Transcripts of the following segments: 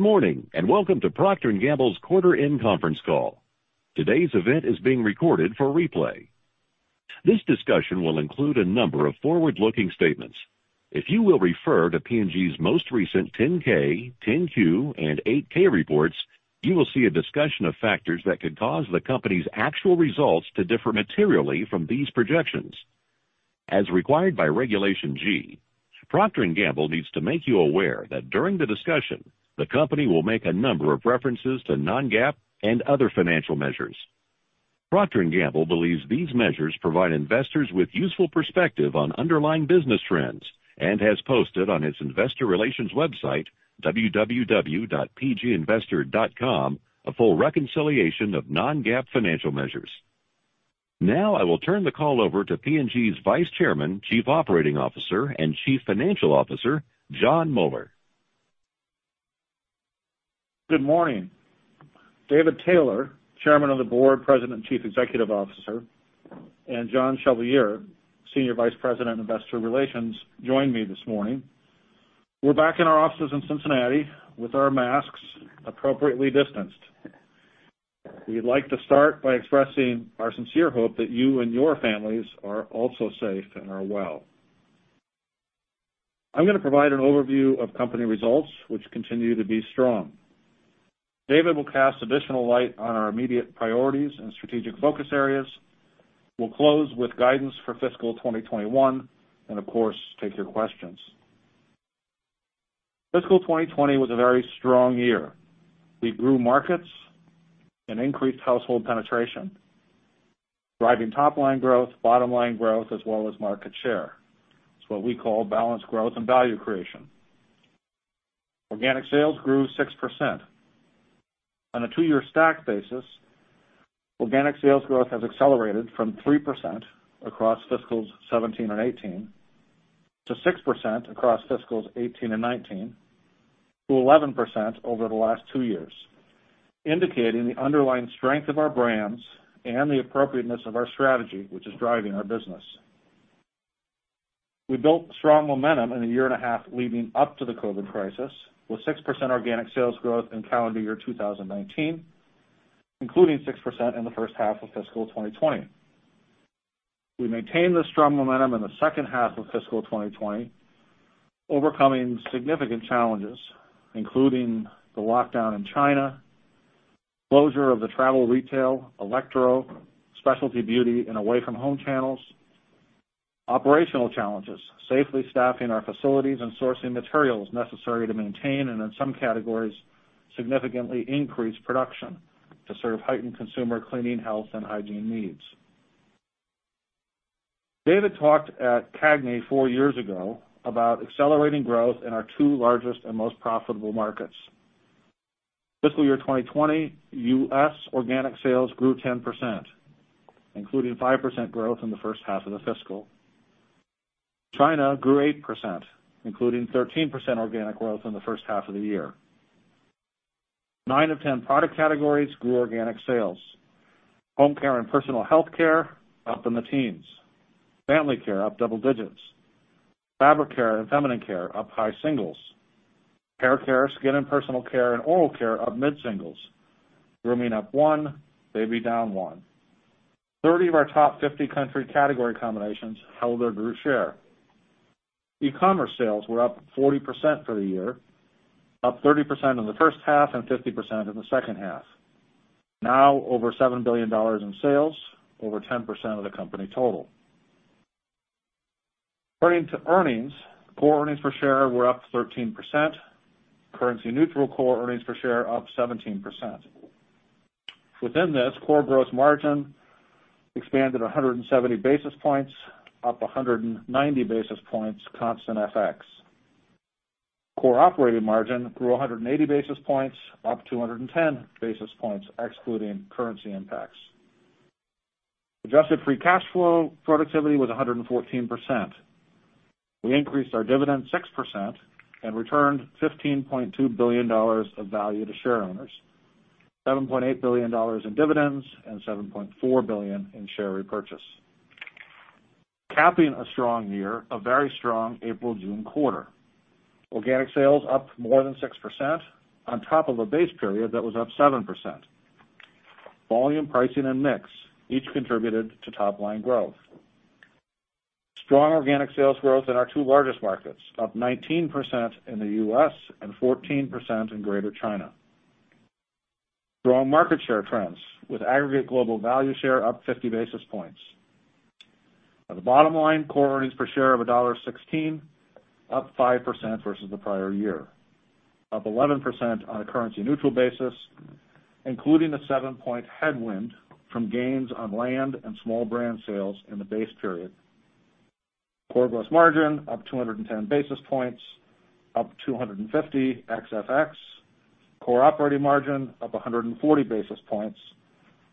Good morning, welcome to Procter & Gamble's quarter end conference call. Today's event is being recorded for replay. This discussion will include a number of forward-looking statements. If you will refer to P&G's most recent 10-K, 10-Q, and 8-K reports, you will see a discussion of factors that could cause the company's actual results to differ materially from these projections. As required by Regulation G, Procter & Gamble needs to make you aware that during the discussion, the company will make a number of references to non-GAAP and other financial measures. Procter & Gamble believes these measures provide investors with useful perspective on underlying business trends, and has posted on its investor relations website, www.pginvestor.com, a full reconciliation of non-GAAP financial measures. Now I will turn the call over to P&G's Vice Chairman, Chief Operating Officer, and Chief Financial Officer, Jon Moeller. Good morning. David Taylor, Chairman of the Board, President, and Chief Executive Officer, and John Chevalier, Senior Vice President of Investor Relations, join me this morning. We're back in our offices in Cincinnati with our masks appropriately distanced. We'd like to start by expressing our sincere hope that you and your families are also safe and are well. I'm going to provide an overview of company results, which continue to be strong. David will cast additional light on our immediate priorities and strategic focus areas. We'll close with guidance for fiscal 2021, and of course, take your questions. Fiscal 2020 was a very strong year. We grew markets and increased household penetration, driving top-line growth, bottom-line growth, as well as market share. It's what we call balanced growth and value creation. Organic sales grew 6%. On a two-year stack basis, organic sales growth has accelerated from 3% across fiscals 2017 and 2018, to 6% across fiscals 2018 and 2019, to 11% over the last two years, indicating the underlying strength of our brands and the appropriateness of our strategy, which is driving our business. We built strong momentum in a year and a half leading up to the COVID crisis, with 6% organic sales growth in calendar year 2019, including 6% in the first half of fiscal 2020. We maintained this strong momentum in the second half of fiscal 2020, overcoming significant challenges, including the lockdown in China, closure of the travel retail, e-retail, specialty beauty, and away-from-home channels, operational challenges, safely staffing our facilities, and sourcing materials necessary to maintain, and in some categories, significantly increase production to serve heightened consumer cleaning, health, and hygiene needs. David talked at CAGNY four years ago about accelerating growth in our two largest and most profitable markets. Fiscal year 2020, U.S. organic sales grew 10%, including 5% growth in the first half of the fiscal. China grew 8%, including 13% organic growth in the first half of the year. Nine of 10 product categories grew organic sales. Home care and personal health care, up in the teens. Family care, up double digits. Fabric care and feminine care, up high singles. Hair care, skin and personal care, and oral care, up mid-singles. Grooming up one, baby down one. 30 of our top 50 country category combinations held or grew share. e-commerce sales were up 40% for the year, up 30% in the first half and 50% in the second half. Now over $7 billion in sales, over 10% of the company total. Turning to earnings, core earnings per share were up 13%, currency-neutral core earnings per share up 17%. Within this, core gross margin expanded 170 basis points, up 190 basis points constant FX. Core operating margin grew 180 basis points, up 210 basis points excluding currency impacts. Adjusted free cash flow productivity was 114%. We increased our dividend 6% and returned $15.2 billion of value to shareowners, $7.8 billion in dividends and $7.4 billion in share repurchase. Capping a strong year, a very strong April-June quarter. Organic sales up more than 6% on top of a base period that was up 7%. Volume pricing and mix each contributed to top-line growth. Strong organic sales growth in our two largest markets, up 19% in the U.S. and 14% in Greater China. Strong market share trends with aggregate global value share up 50 basis points. On the bottom line, core earnings per share of $1.16, up 5% versus the prior year. Up 11% on a currency neutral basis, including a seven-point headwind from gains on land and small brand sales in the base period. Core gross margin up 210 basis points, up 250 ex FX. Core operating margin up 140 basis points,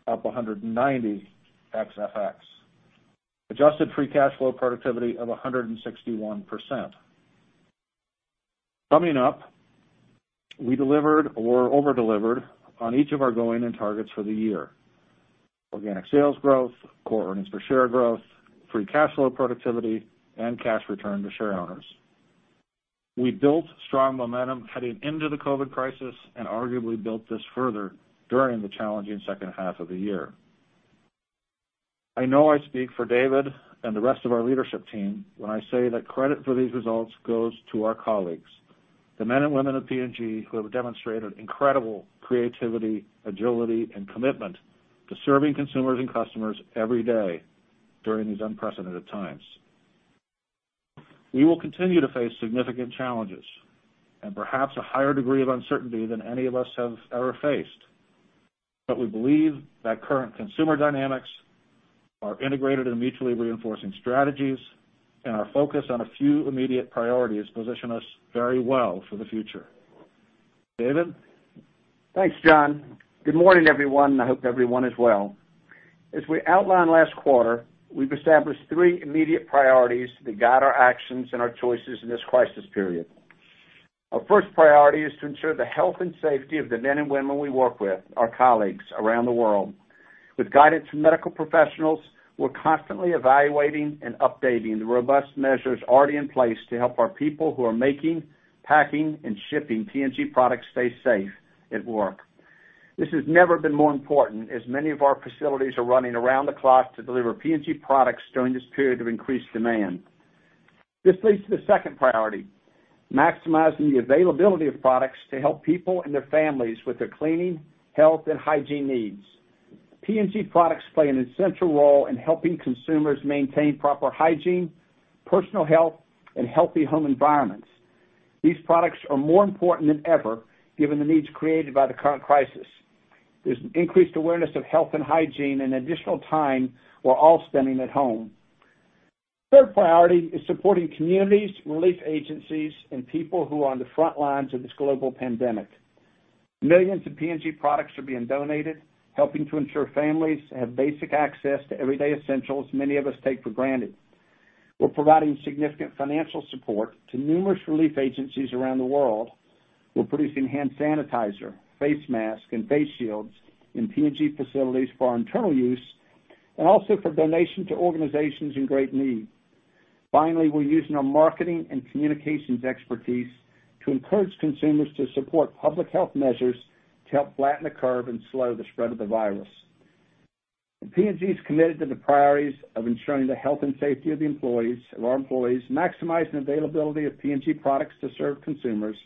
up 190 ex FX. Adjusted free cash flow productivity of 161%. Summing up, we delivered or over-delivered on each of our going-in targets for the year. Organic sales growth, core earnings per share growth, free cash flow productivity, and cash return to shareowners. We built strong momentum heading into the COVID crisis and arguably built this further during the challenging second half of the year. I know I speak for David and the rest of our leadership team when I say that credit for these results goes to our colleagues, the men and women of P&G who have demonstrated incredible creativity, agility, and commitment to serving consumers and customers every day during these unprecedented times. We will continue to face significant challenges and perhaps a higher degree of uncertainty than any of us have ever faced. We believe that current consumer dynamics are integrated in mutually reinforcing strategies, and our focus on a few immediate priorities position us very well for the future. David? Thanks, Jon. Good morning, everyone. I hope everyone is well. As we outlined last quarter, we've established three immediate priorities that guide our actions and our choices in this crisis period. Our first priority is to ensure the health and safety of the men and women we work with, our colleagues around the world. With guidance from medical professionals, we're constantly evaluating and updating the robust measures already in place to help our people who are making, packing, and shipping P&G products stay safe at work. This has never been more important, as many of our facilities are running around the clock to deliver P&G products during this period of increased demand. This leads to the second priority, maximizing the availability of products to help people and their families with their cleaning, health, and hygiene needs. P&G products play an essential role in helping consumers maintain proper hygiene, personal health, and healthy home environments. These products are more important than ever, given the needs created by the current crisis. There's an increased awareness of health and hygiene and additional time we're all spending at home. Third priority is supporting communities, relief agencies, and people who are on the front lines of this global pandemic. Millions of P&G products are being donated, helping to ensure families have basic access to everyday essentials many of us take for granted. We're providing significant financial support to numerous relief agencies around the world. We're producing hand sanitizer, face masks, and face shields in P&G facilities for our internal use, and also for donation to organizations in great need. Finally, we're using our marketing and communications expertise to encourage consumers to support public health measures to help flatten the curve and slow the spread of the virus. P&G's committed to the priorities of ensuring the health and safety of our employees, maximizing availability of P&G products to serve consumers,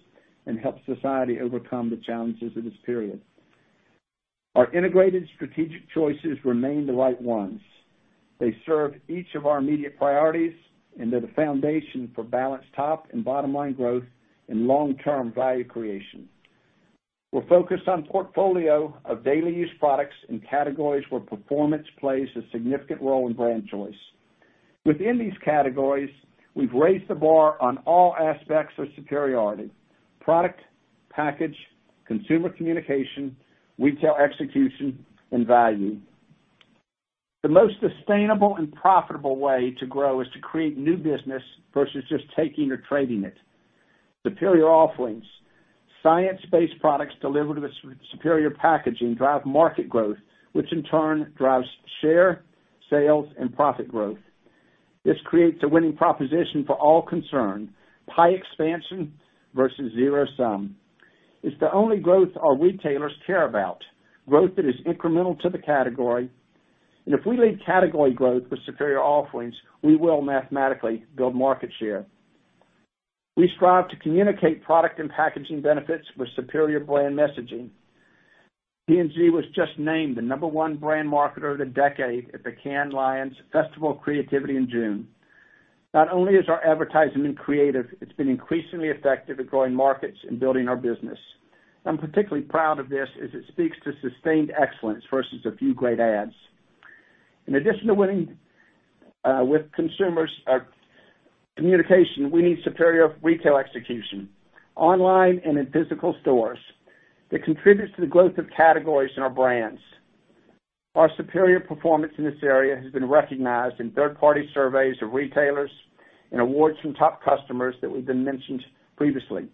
and help society overcome the challenges of this period. Our integrated strategic choices remain the right ones. They serve each of our immediate priorities, and they're the foundation for balanced top and bottom-line growth and long-term value creation. We're focused on portfolio of daily use products in categories where performance plays a significant role in brand choice. Within these categories, we've raised the bar on all aspects of superiority, product, package, consumer communication, retail execution, and value. The most sustainable and profitable way to grow is to create new business versus just taking or trading it. Superior offerings, science-based products delivered with superior packaging drive market growth, which in turn drives share, sales, and profit growth. This creates a winning proposition for all concerned. Pie expansion versus zero-sum. It's the only growth our retailers care about, growth that is incremental to the category. If we lead category growth with superior offerings, we will mathematically build market share. We strive to communicate product and packaging benefits with superior brand messaging. P&G was just named the number one brand marketer of the decade at the Cannes Lions Festival of Creativity in June. Not only is our advertising creative, it's been increasingly effective at growing markets and building our business. I'm particularly proud of this, as it speaks to sustained excellence versus a few great ads. In addition to winning with consumers communication, we need superior retail execution, online and in physical stores that contributes to the growth of categories in our brands. Our superior performance in this area has been recognized in third-party surveys of retailers and awards from top customers that we've been mentioned previously.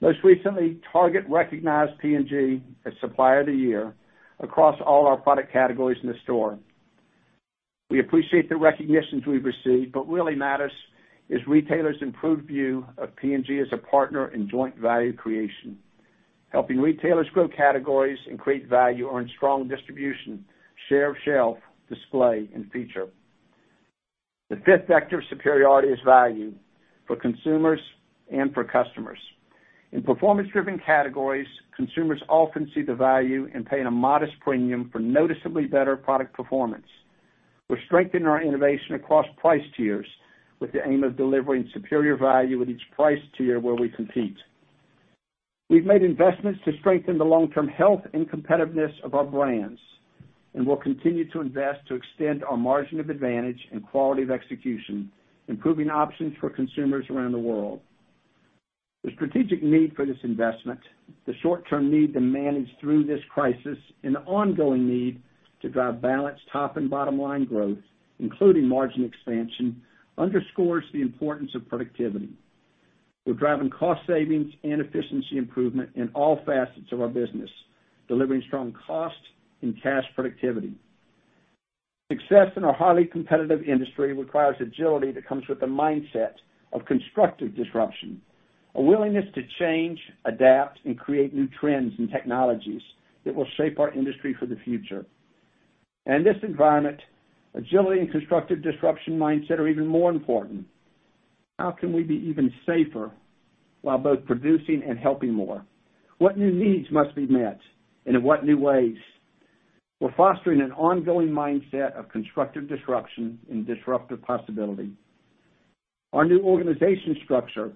Most recently, Target recognized P&G as Supplier of the Year across all our product categories in the store. What really matters is retailers' improved view of P&G as a partner in joint value creation. Helping retailers grow categories and create value earn strong distribution, share of shelf, display, and feature. The fifth vector of superiority is value for consumers and for customers. In performance-driven categories, consumers often see the value and pay a modest premium for noticeably better product performance. We're strengthening our innovation across price tiers with the aim of delivering superior value with each price tier where we compete. We've made investments to strengthen the long-term health and competitiveness of our brands, and we'll continue to invest to extend our margin of advantage and quality of execution, improving options for consumers around the world. The strategic need for this investment, the short-term need to manage through this crisis, and the ongoing need to drive balanced top and bottom-line growth, including margin expansion, underscores the importance of productivity. We're driving cost savings and efficiency improvement in all facets of our business, delivering strong cost and cash productivity. Success in our highly competitive industry requires agility that comes with the mindset of constructive disruption, a willingness to change, adapt, and create new trends and technologies that will shape our industry for the future. In this environment, agility and constructive disruption mindset are even more important. How can we be even safer while both producing and helping more? What new needs must be met, and in what new ways? We're fostering an ongoing mindset of constructive disruption and disruptive possibility. Our new organization structure,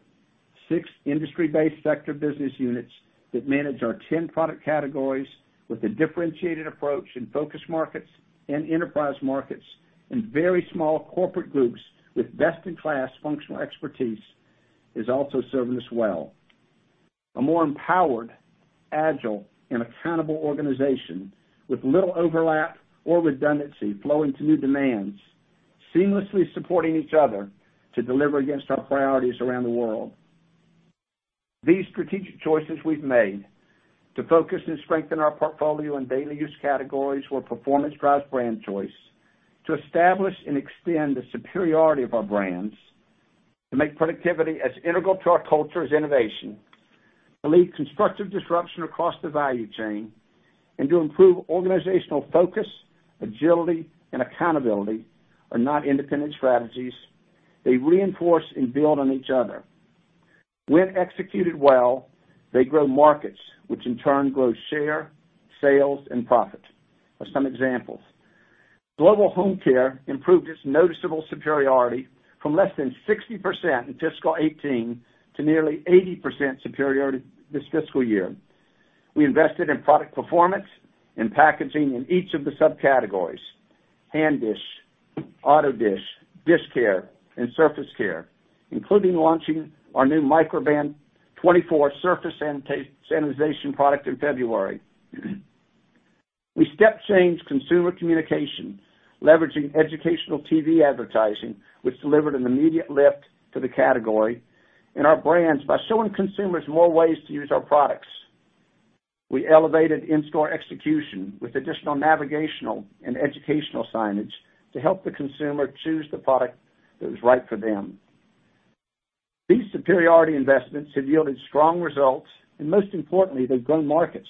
six industry-based sector business units that manage our 10 product categories with a differentiated approach in focus markets and enterprise markets, and very small corporate groups with best-in-class functional expertise, is also serving us well. A more empowered, agile, and accountable organization with little overlap or redundancy flowing to new demands, seamlessly supporting each other to deliver against our priorities around the world. These strategic choices we've made to focus and strengthen our portfolio in daily use categories where performance drives brand choice, to establish and extend the superiority of our brands, to make productivity as integral to our culture as innovation, to lead constructive disruption across the value chain, and to improve organizational focus, agility, and accountability are not independent strategies. They reinforce and build on each other. When executed well, they grow markets, which in turn grows share, sales, and profit. As some examples, Global Home Care improved its noticeable superiority from less than 60% in fiscal 2018 to nearly 80% superiority this fiscal year. We invested in product performance, in packaging in each of the subcategories, hand dish, auto dish care, and surface care, including launching our new Microban 24 surface sanitization product in February. We step-changed consumer communication, leveraging educational TV advertising, which delivered an immediate lift to the category and our brands by showing consumers more ways to use our products. We elevated in-store execution with additional navigational and educational signage to help the consumer choose the product that was right for them. These superiority investments have yielded strong results, and most importantly, they've grown markets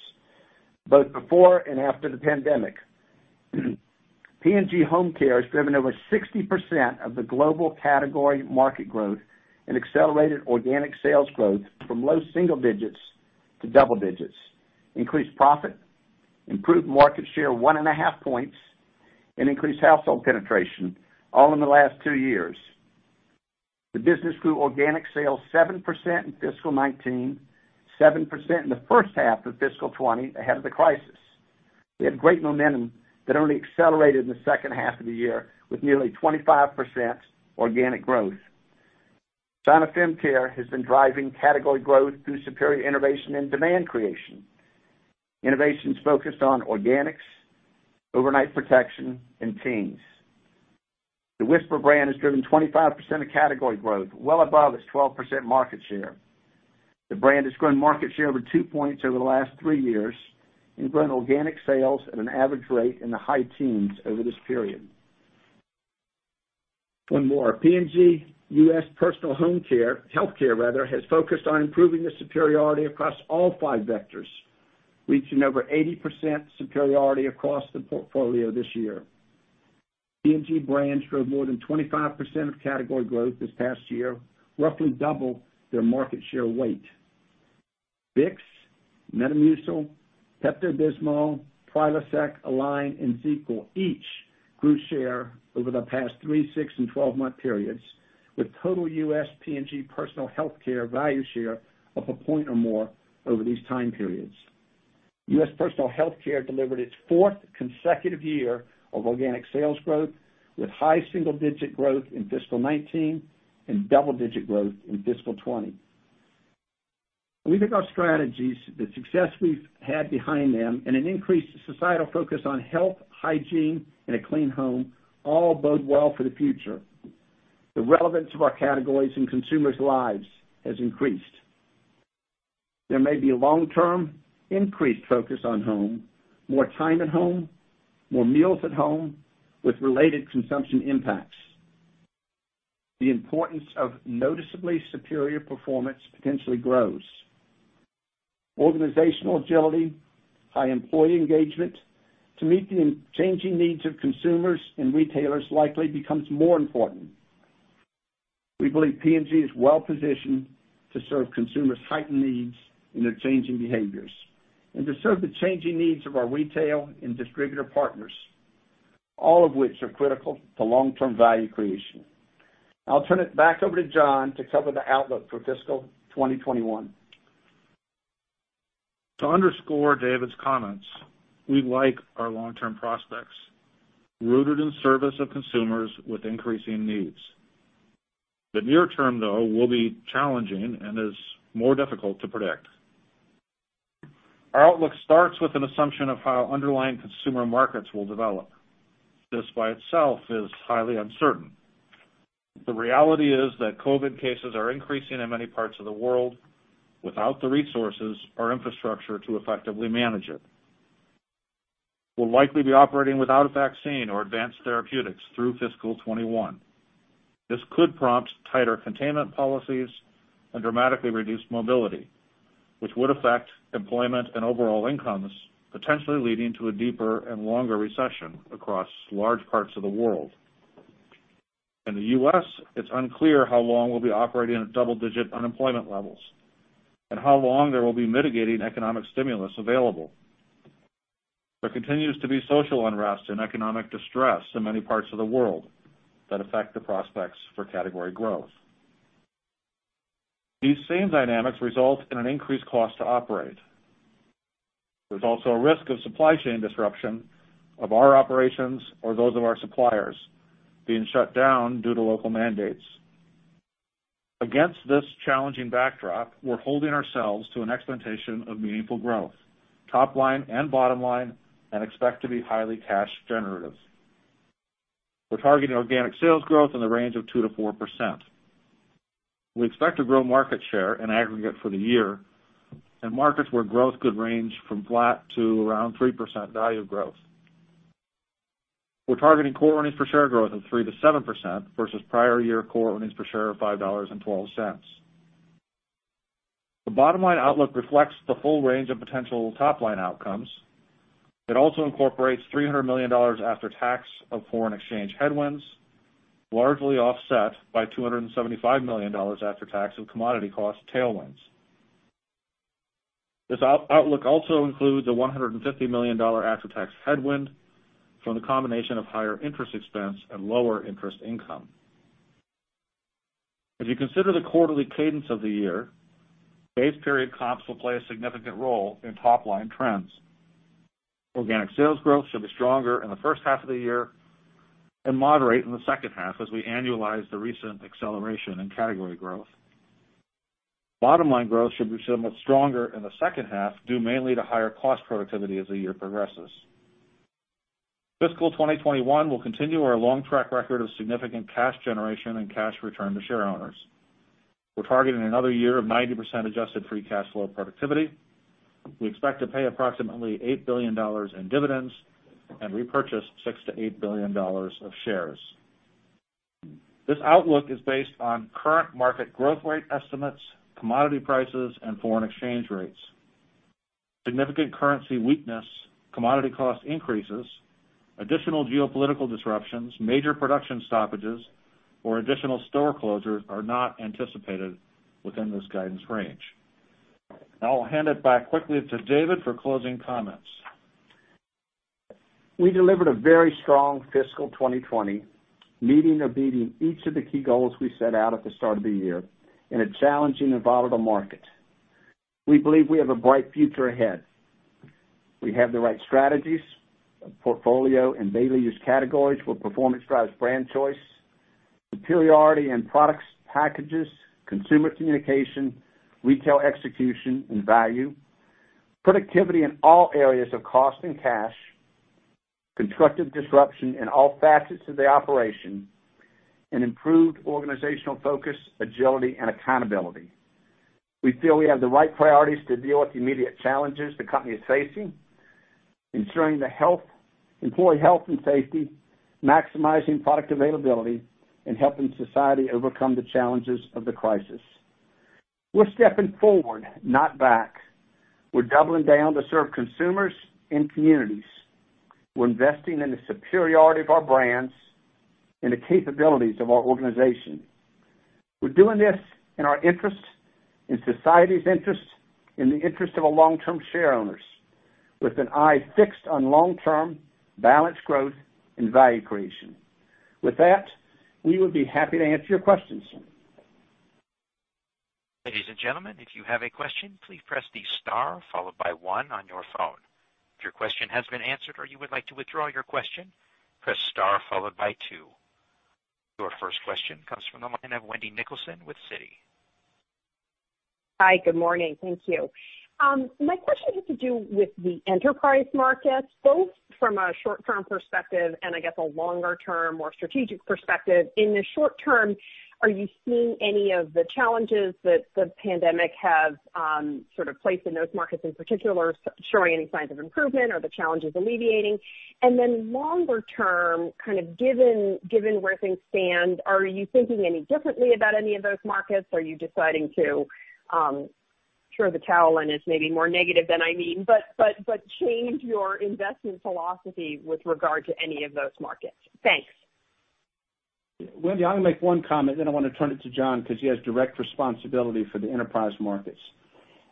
both before and after the pandemic. P&G Home Care has driven over 60% of the global category market growth and accelerated organic sales growth from low single digits to double digits, increased profit, improved market share one and a half points, and increased household penetration, all in the last two years. The business grew organic sales 7% in fiscal 2019, 7% in the first half of fiscal 2020 ahead of the crisis. We had great momentum that only accelerated in the second half of the year with nearly 25% organic growth. China Fem Care has been driving category growth through superior innovation and demand creation. Innovation's focused on organics, overnight protection, and teens. The Whisper brand has driven 25% of category growth, well above its 12% market share. The brand has grown market share over two points over the last three years and grown organic sales at an average rate in the high teens over this period. One more. P&G U.S. Personal Home Care, Health Care rather, has focused on improving the superiority across all five vectors, reaching over 80% superiority across the portfolio this year. P&G brands drove more than 25% of category growth this past year, roughly double their market share weight. Vicks, Metamucil, Pepto-Bismol, Prilosec, Align, and ZzzQuil each grew share over the past three, six, and 12-month periods, with total U.S. P&G Personal Health Care value share up one point or more over these time periods. U.S. Personal Health Care delivered its fourth consecutive year of organic sales growth, with high single-digit growth in fiscal 2019 and double-digit growth in fiscal 2020. We think our strategies, the success we've had behind them, and an increased societal focus on health, hygiene, and a clean home all bode well for the future. The relevance of our categories in consumers' lives has increased. There may be a long-term increased focus on home, more time at home, more meals at home, with related consumption impacts. The importance of noticeably superior performance potentially grows. Organizational agility by employee engagement to meet the changing needs of consumers and retailers likely becomes more important. We believe P&G is well-positioned to serve consumers' heightened needs and their changing behaviors, and to serve the changing needs of our retail and distributor partners, all of which are critical to long-term value creation. I'll turn it back over to Jon to cover the outlook for fiscal 2021. To underscore David's comments, we like our long-term prospects, rooted in service of consumers with increasing needs. The near term, though, will be challenging and is more difficult to predict. Our outlook starts with an assumption of how underlying consumer markets will develop. This by itself is highly uncertain. The reality is that COVID cases are increasing in many parts of the world without the resources or infrastructure to effectively manage it. We'll likely be operating without a vaccine or advanced therapeutics through fiscal 2021. This could prompt tighter containment policies and dramatically reduced mobility, which would affect employment and overall incomes, potentially leading to a deeper and longer recession across large parts of the world. In the U.S., it's unclear how long we'll be operating at double-digit unemployment levels and how long there will be mitigating economic stimulus available. There continues to be social unrest and economic distress in many parts of the world that affect the prospects for category growth. These same dynamics result in an increased cost to operate. There's also a risk of supply chain disruption of our operations or those of our suppliers being shut down due to local mandates. Against this challenging backdrop, we're holding ourselves to an expectation of meaningful growth, top line and bottom line, and expect to be highly cash generative. We're targeting organic sales growth in the range of 2%-4%. We expect to grow market share in aggregate for the year in markets where growth could range from flat to around 3% value growth. We're targeting core earnings per share growth of 3%-7% versus prior year core earnings per share of $5.12. The bottom line outlook reflects the full range of potential top line outcomes. It also incorporates $300 million after tax of foreign exchange headwinds, largely offset by $275 million after tax of commodity cost tailwinds. This outlook also includes a $150 million after-tax headwind from the combination of higher interest expense and lower interest income. As you consider the quarterly cadence of the year, base period comps will play a significant role in top line trends. Organic sales growth should be stronger in the first half of the year and moderate in the second half as we annualize the recent acceleration in category growth. Bottom line growth should be somewhat stronger in the second half, due mainly to higher cost productivity as the year progresses. Fiscal 2021 will continue our long track record of significant cash generation and cash return to shareowners. We're targeting another year of 90% adjusted free cash flow productivity. We expect to pay approximately $8 billion in dividends and repurchase $6 billion-$8 billion of shares. This outlook is based on current market growth rate estimates, commodity prices, and foreign exchange rates. Significant currency weakness, commodity cost increases, additional geopolitical disruptions, major production stoppages, or additional store closures are not anticipated within this guidance range. Now, I'll hand it back quickly to David for closing comments. We delivered a very strong fiscal 2020, meeting or beating each of the key goals we set out at the start of the year in a challenging and volatile market. We believe we have a bright future ahead. We have the right strategies, portfolio and daily use categories where performance drives brand choice, superiority in products, packages, consumer communication, retail execution, and value, productivity in all areas of cost and cash, constructive disruption in all facets of the operation, and improved organizational focus, agility, and accountability. We feel we have the right priorities to deal with the immediate challenges the company is facing, ensuring the employee health and safety, maximizing product availability, and helping society overcome the challenges of the crisis. We're stepping forward, not back. We're doubling down to serve consumers and communities. We're investing in the superiority of our brands and the capabilities of our organization. We're doing this in our interest, in society's interest, in the interest of our long-term shareowners, with an eye fixed on long-term balanced growth and value creation. With that, we would be happy to answer your questions. Ladies and gentlemen, if you have a question, please press the star followed by one on your phone. If your question has been answered or you would like to withdraw your question, press star followed by two. Your first question comes from the line of Wendy Nicholson with Citi. Hi. Good morning. Thank you. My question has to do with the enterprise market, both from a short-term perspective and I guess a longer-term, more strategic perspective. In the short term, are you seeing any of the challenges that the pandemic has sort of placed in those markets in particular showing any signs of improvement or the challenges alleviating? Longer term, kind of given where things stand, are you thinking any differently about any of those markets? Are you deciding to throw the towel in is maybe more negative than I mean, but change your investment philosophy with regard to any of those markets? Thanks. Wendy, I'm going to make one comment, then I want to turn it to Jon because he has direct responsibility for the enterprise markets.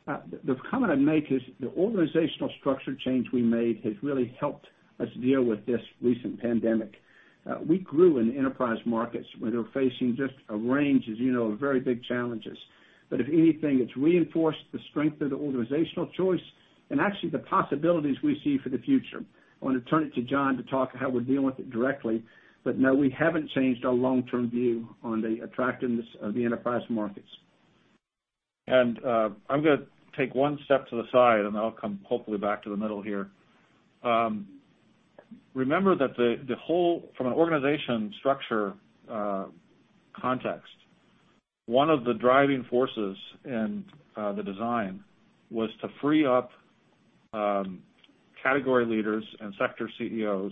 The comment I'd make is the organizational structure change we made has really helped us deal with this recent pandemic. We grew in enterprise markets where they're facing just a range, as you know, of very big challenges. If anything, it's reinforced the strength of the organizational choice and actually the possibilities we see for the future. I want to turn it to Jon to talk how we're dealing with it directly, but no, we haven't changed our long-term view on the attractiveness of the enterprise markets. I'm going to take one step to the side, then I'll come hopefully back to the middle here. Remember that from an organization structure context, one of the driving forces in the design was to free up category leaders and sector CEOs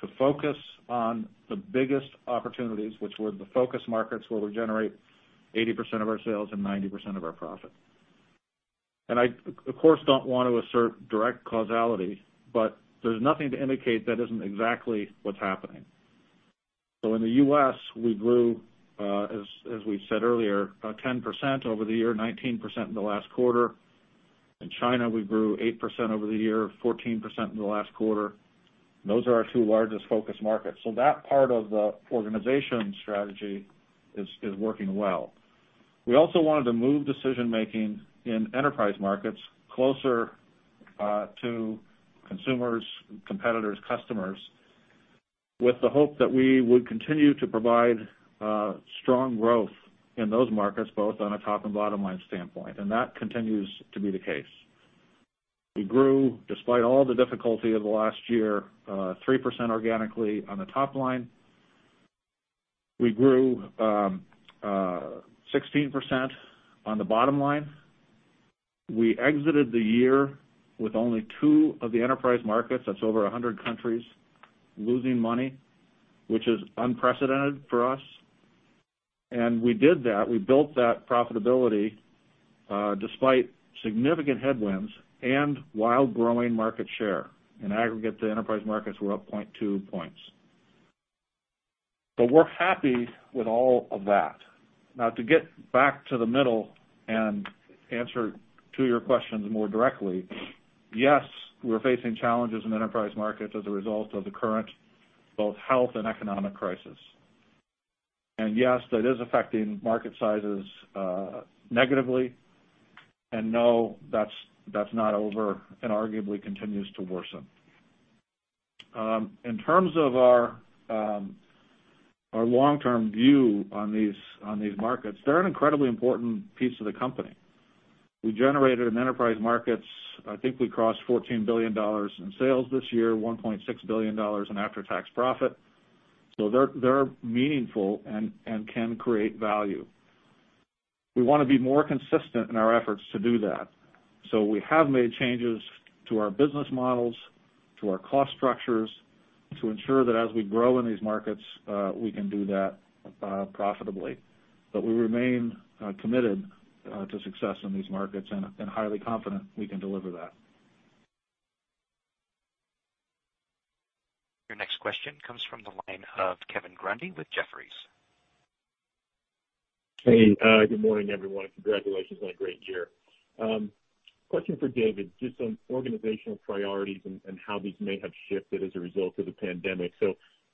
to focus on the biggest opportunities, which were the focus markets where we generate 80% of our sales and 90% of our profit. I, of course, don't want to assert direct causality, but there's nothing to indicate that isn't exactly what's happening. In the U.S., we grew, as we said earlier, 10% over the year, 19% in the last quarter. In China, we grew 8% over the year, 14% in the last quarter. Those are our two largest focus markets. That part of the organization strategy is working well. We also wanted to move decision-making in enterprise markets closer to consumers, competitors, customers, with the hope that we would continue to provide strong growth in those markets, both on a top and bottom-line standpoint. That continues to be the case. We grew, despite all the difficulty of the last year, 3% organically on the top line. We grew 16% on the bottom line. We exited the year with only two of the enterprise markets, that's over 100 countries, losing money, which is unprecedented for us. We did that, we built that profitability, despite significant headwinds and while growing market share. In aggregate, the enterprise markets were up 0.2 points. We're happy with all of that. To get back to the middle and answer to your questions more directly, yes, we're facing challenges in enterprise markets as a result of the current, both health and economic crisis. Yes, that is affecting market sizes negatively. No, that's not over and arguably continues to worsen. In terms of our long-term view on these markets, they're an incredibly important piece of the company. We generated in enterprise markets, I think we crossed $14 billion in sales this year, $1.6 billion in after-tax profit. They're meaningful and can create value. We want to be more consistent in our efforts to do that. We have made changes to our business models, to our cost structures to ensure that as we grow in these markets, we can do that profitably. We remain committed to success in these markets and are highly confident we can deliver that. Your next question comes from the line of Kevin Grundy with Jefferies. Hey, good morning, everyone. Congratulations on a great year. Question for David, just on organizational priorities and how these may have shifted as a result of the pandemic.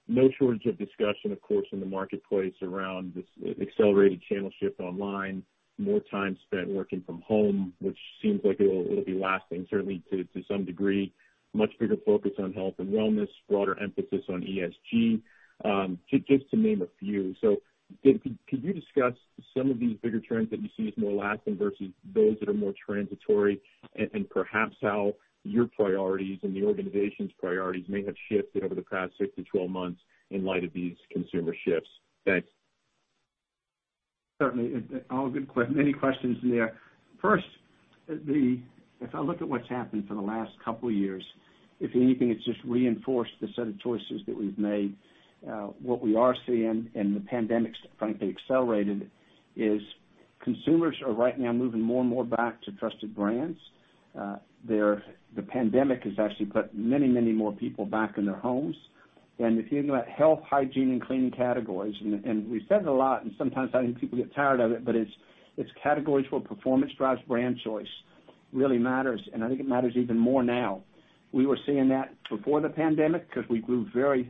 No shortage of discussion, of course, in the marketplace around this accelerated channel shift online, more time spent working from home, which seems like it'll be lasting certainly to some degree, much bigger focus on health and wellness, broader emphasis on ESG, just to name a few. David, could you discuss some of these bigger trends that you see as more lasting versus those that are more transitory, and perhaps how your priorities and the organization's priorities may have shifted over the past six to 12 months in light of these consumer shifts? Thanks. Certainly. All good, many questions there. If I look at what's happened for the last couple of years, if anything, it's just reinforced the set of choices that we've made. What we are seeing, the pandemic frankly accelerated it, is consumers are right now moving more and more back to trusted brands. The pandemic has actually put many more people back in their homes. If you think about health, hygiene, and cleaning categories, and we've said it a lot, and sometimes I think people get tired of it, but it's categories where performance drives brand choice really matters, and I think it matters even more now. We were seeing that before the pandemic because we grew very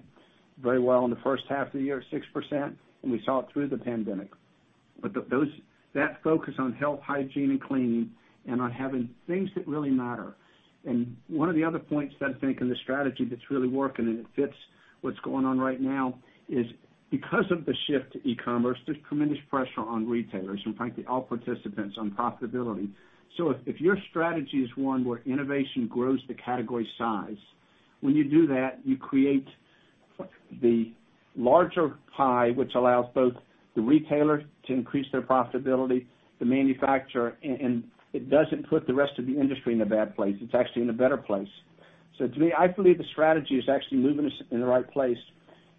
well in the first half of the year, 6%, and we saw it through the pandemic. That focus on health, hygiene, and cleaning and on having things that really matter. One of the other points that I think in the strategy that's really working and it fits what's going on right now is because of the shift to e-commerce, there's tremendous pressure on retailers and frankly, all participants on profitability. If your strategy is one where innovation grows the category size, when you do that, you create the larger pie, which allows both the retailer to increase their profitability, the manufacturer, and it doesn't put the rest of the industry in a bad place. It's actually in a better place. To me, I believe the strategy is actually moving us in the right place.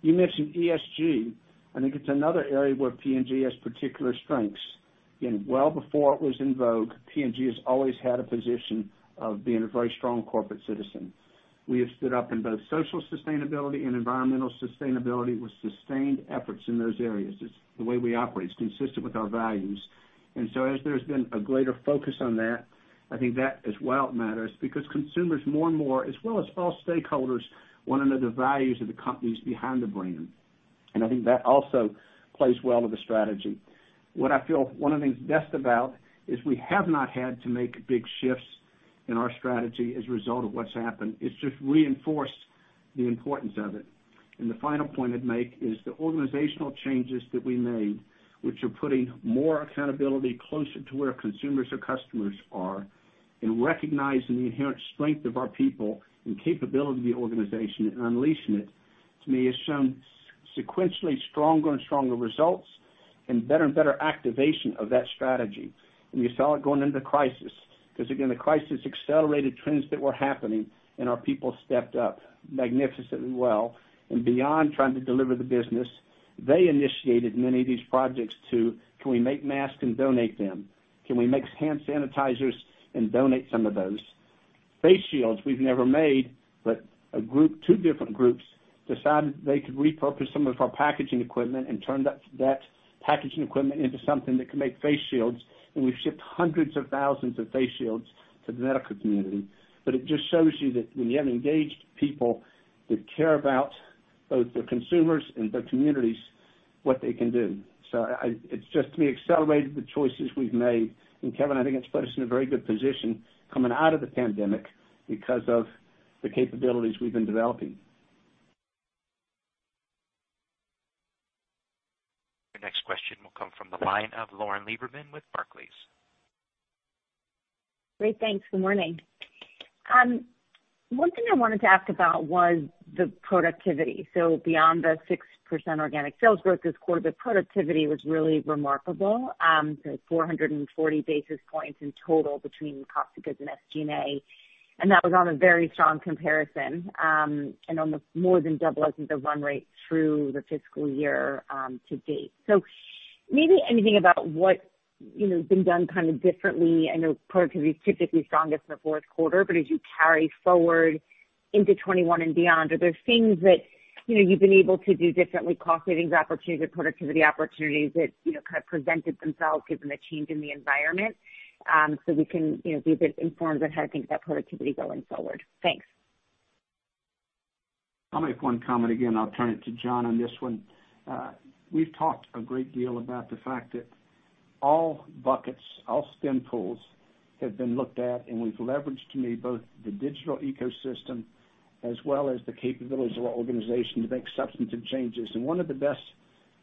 You mentioned ESG. I think it's another area where P&G has particular strengths. Well before it was in vogue, P&G has always had a position of being a very strong corporate citizen. We have stood up in both social sustainability and environmental sustainability with sustained efforts in those areas. It's the way we operate. It's consistent with our values. As there's been a greater focus on that, I think that as well matters because consumers more and more, as well as all stakeholders, want to know the values of the companies behind the brand. I think that also plays well to the strategy. What I feel one of the things best about is we have not had to make big shifts. In our strategy as a result of what's happened, it's just reinforced the importance of it. The final point I'd make is the organizational changes that we made, which are putting more accountability closer to where consumers or customers are, and recognizing the inherent strength of our people and capability of the organization and unleashing it, to me, has shown sequentially stronger and stronger results and better and better activation of that strategy. You saw it going into the crisis, because again, the crisis accelerated trends that were happening, and our people stepped up magnificently well. Beyond trying to deliver the business, they initiated many of these projects too. Can we make masks and donate them? Can we mix hand sanitizers and donate some of those? Face shields we've never made, but two different groups decided they could repurpose some of our packaging equipment and turn that packaging equipment into something that could make face shields, and we've shipped hundreds of thousands of face shields to the medical community. It just shows you that when you have engaged people who care about both the consumers and their communities, what they can do. It's just to me, accelerated the choices we've made. Kevin, I think it's put us in a very good position coming out of the pandemic because of the capabilities we've been developing. Your next question will come from the line of Lauren Lieberman with Barclays. Great. Thanks. Good morning. One thing I wanted to ask about was the productivity. Beyond the 6% organic sales growth this quarter, the productivity was really remarkable. The 440 basis points in total between cost goods and SG&A, and that was on a very strong comparison. On the more than double, I think, the run rate through the fiscal year-to-date. Maybe anything about what's been done kind of differently. I know productivity is typically strongest in the fourth quarter, but as you carry forward into 2021 and beyond, are there things that you've been able to do differently, cost savings opportunities or productivity opportunities that kind of presented themselves given the change in the environment? We can be a bit informed of how to think about productivity going forward. Thanks. I'll make one comment. I'll turn it to Jon on this one. We've talked a great deal about the fact that all buckets, all spend pools have been looked at, and we've leveraged, to me, both the digital ecosystem as well as the capabilities of our organization to make substantive changes. One of the best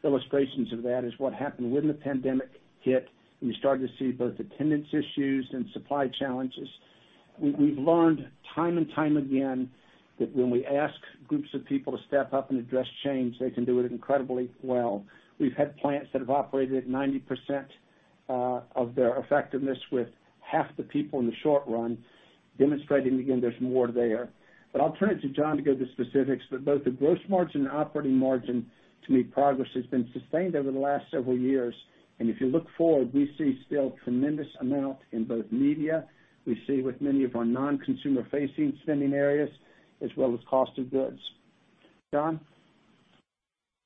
illustrations of that is what happened when the pandemic hit, and we started to see both attendance issues and supply challenges. We've learned time and time again that when we ask groups of people to step up and address change, they can do it incredibly well. We've had plants that have operated at 90% of their effectiveness with half the people in the short run, demonstrating again, there's more there. I'll turn it to Jon to go to the specifics, but both the gross margin and operating margin, to me, progress has been sustained over the last several years. If you look forward, we see still tremendous amount in both media, we see with many of our non-consumer facing spending areas, as well as cost of goods. Jon?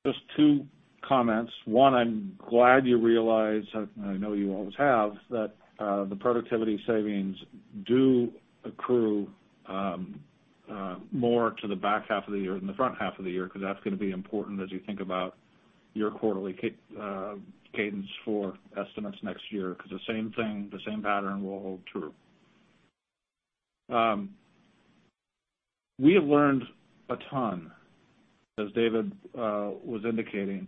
Just two comments. One, I'm glad you realize, and I know you always have, that the productivity savings do accrue more to the back half of the year than the front half of the year, because that's going to be important as you think about your quarterly cadence for estimates next year, because the same thing, the same pattern will hold true. We have learned a ton, as David was indicating,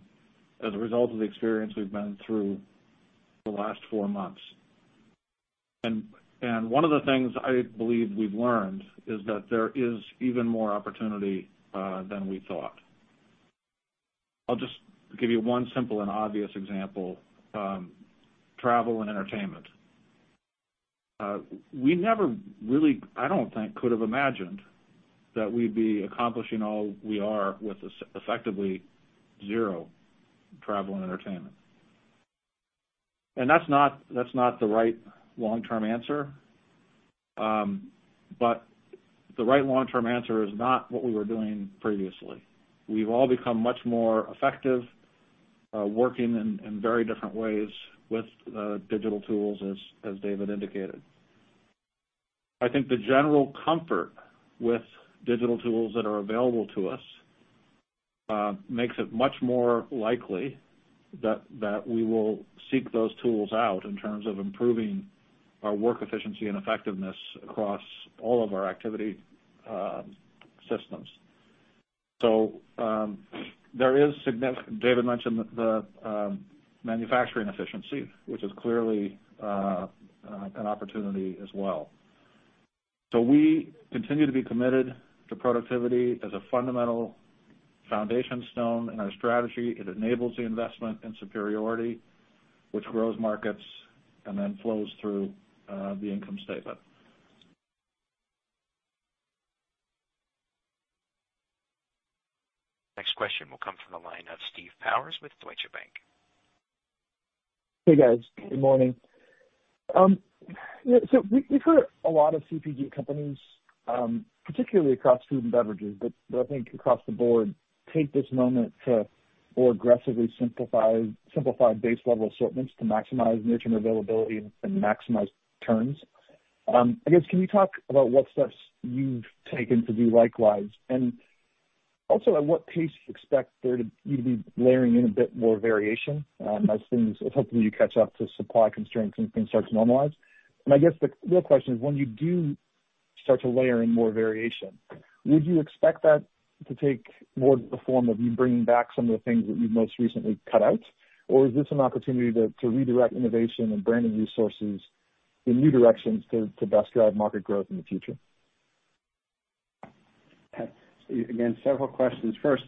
as a result of the experience we've been through the last four months. One of the things I believe we've learned is that there is even more opportunity than we thought. I'll just give you one simple and obvious example. Travel and entertainment. We never really, I don't think, could have imagined that we'd be accomplishing all we are with effectively zero travel and entertainment. That's not the right long-term answer, but the right long-term answer is not what we were doing previously. We've all become much more effective, working in very different ways with digital tools, as David indicated. I think the general comfort with digital tools that are available to us makes it much more likely that we will seek those tools out in terms of improving our work efficiency and effectiveness across all of our activity systems. David mentioned the manufacturing efficiency, which is clearly an opportunity as well. We continue to be committed to productivity as a fundamental foundation stone in our strategy. It enables the investment in superiority, which grows markets and then flows through the income statement. Next question will come from the line of Steve Powers with Deutsche Bank. Hey, guys. Good morning. We've heard a lot of CPG companies, particularly across food and beverages, but I think across the board, take this moment to more aggressively simplify base level assortments to maximize merchant availability and maximize turns. Can you talk about what steps you've taken to do likewise? Also, at what pace do you expect there to be layering in a bit more variation as things, hopefully catch up to supply constraints and things start to normalize. The real question is when you do start to layer in more variation, would you expect that to take more of the form of you bringing back some of the things that you most recently cut out? Is this an opportunity to redirect innovation and branding resources in new directions to best drive market growth in the future? Several questions. First,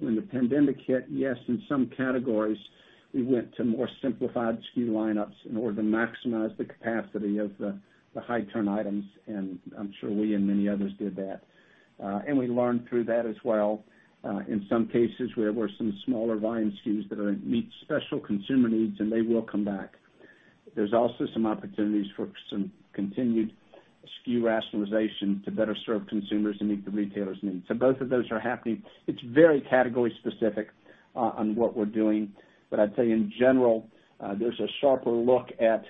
when the pandemic hit, yes, in some categories, we went to more simplified SKU lineups in order to maximize the capacity of the high turn items, and I'm sure we and many others did that. We learned through that as well. In some cases where were some smaller volume SKUs that meet special consumer needs, they will come back. There's also some opportunities for some continued SKU rationalization to better serve consumers and meet the retailers' needs. Both of those are happening. It's very category specific on what we're doing. I'd say in general, there's a sharper look at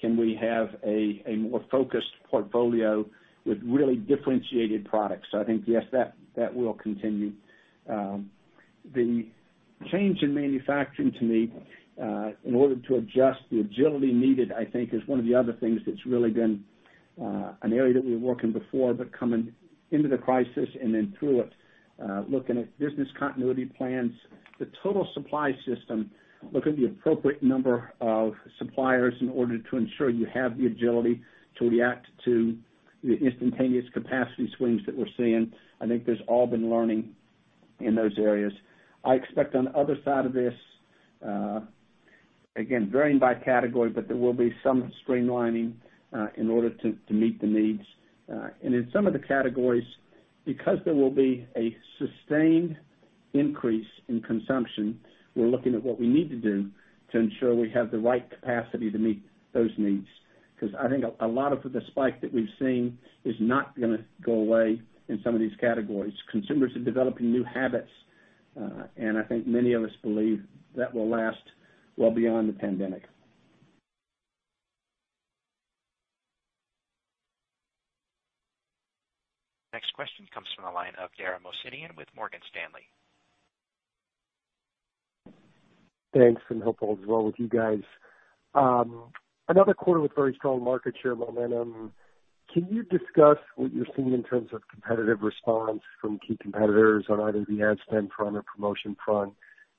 can we have a more focused portfolio with really differentiated products. I think, yes, that will continue. The change in manufacturing to me, in order to adjust the agility needed, I think, is one of the other things that's really been an area that we were working before, but coming into the crisis and then through it, looking at business continuity plans, the total supply system, looking at the appropriate number of suppliers in order to ensure you have the agility to react to the instantaneous capacity swings that we're seeing. I think there's all been learning in those areas. I expect on the other side of this, again, varying by category, but there will be some streamlining in order to meet the needs. In some of the categories, because there will be a sustained increase in consumption, we're looking at what we need to do to ensure we have the right capacity to meet those needs. I think a lot of the spike that we've seen is not going to go away in some of these categories. Consumers are developing new habits, I think many of us believe that will last well beyond the pandemic. Next question comes from the line of Dara Mohsenian with Morgan Stanley. Thanks. Hope all is well with you guys. Another quarter with very strong market share momentum. Can you discuss what you're seeing in terms of competitive response from key competitors on either the ad spend front or promotion front,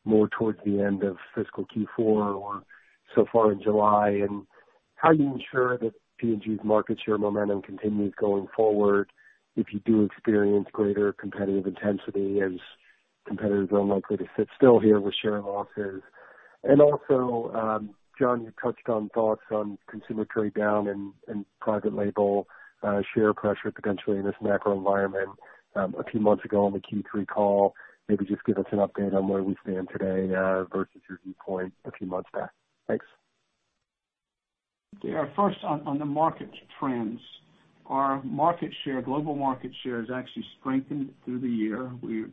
more towards the end of fiscal Q4 or so far in July? How do you ensure that P&G's market share momentum continues going forward if you do experience greater competitive intensity as competitors are unlikely to sit still here with share losses? Also, Jon, you touched on thoughts on consumer trade down and private label share pressure potentially in this macro environment a few months ago on the Q3 call. Maybe just give us an update on where we stand today versus your viewpoint a few months back. Thanks. Dara, first on the market trends. Our global market share has actually strengthened through the year. We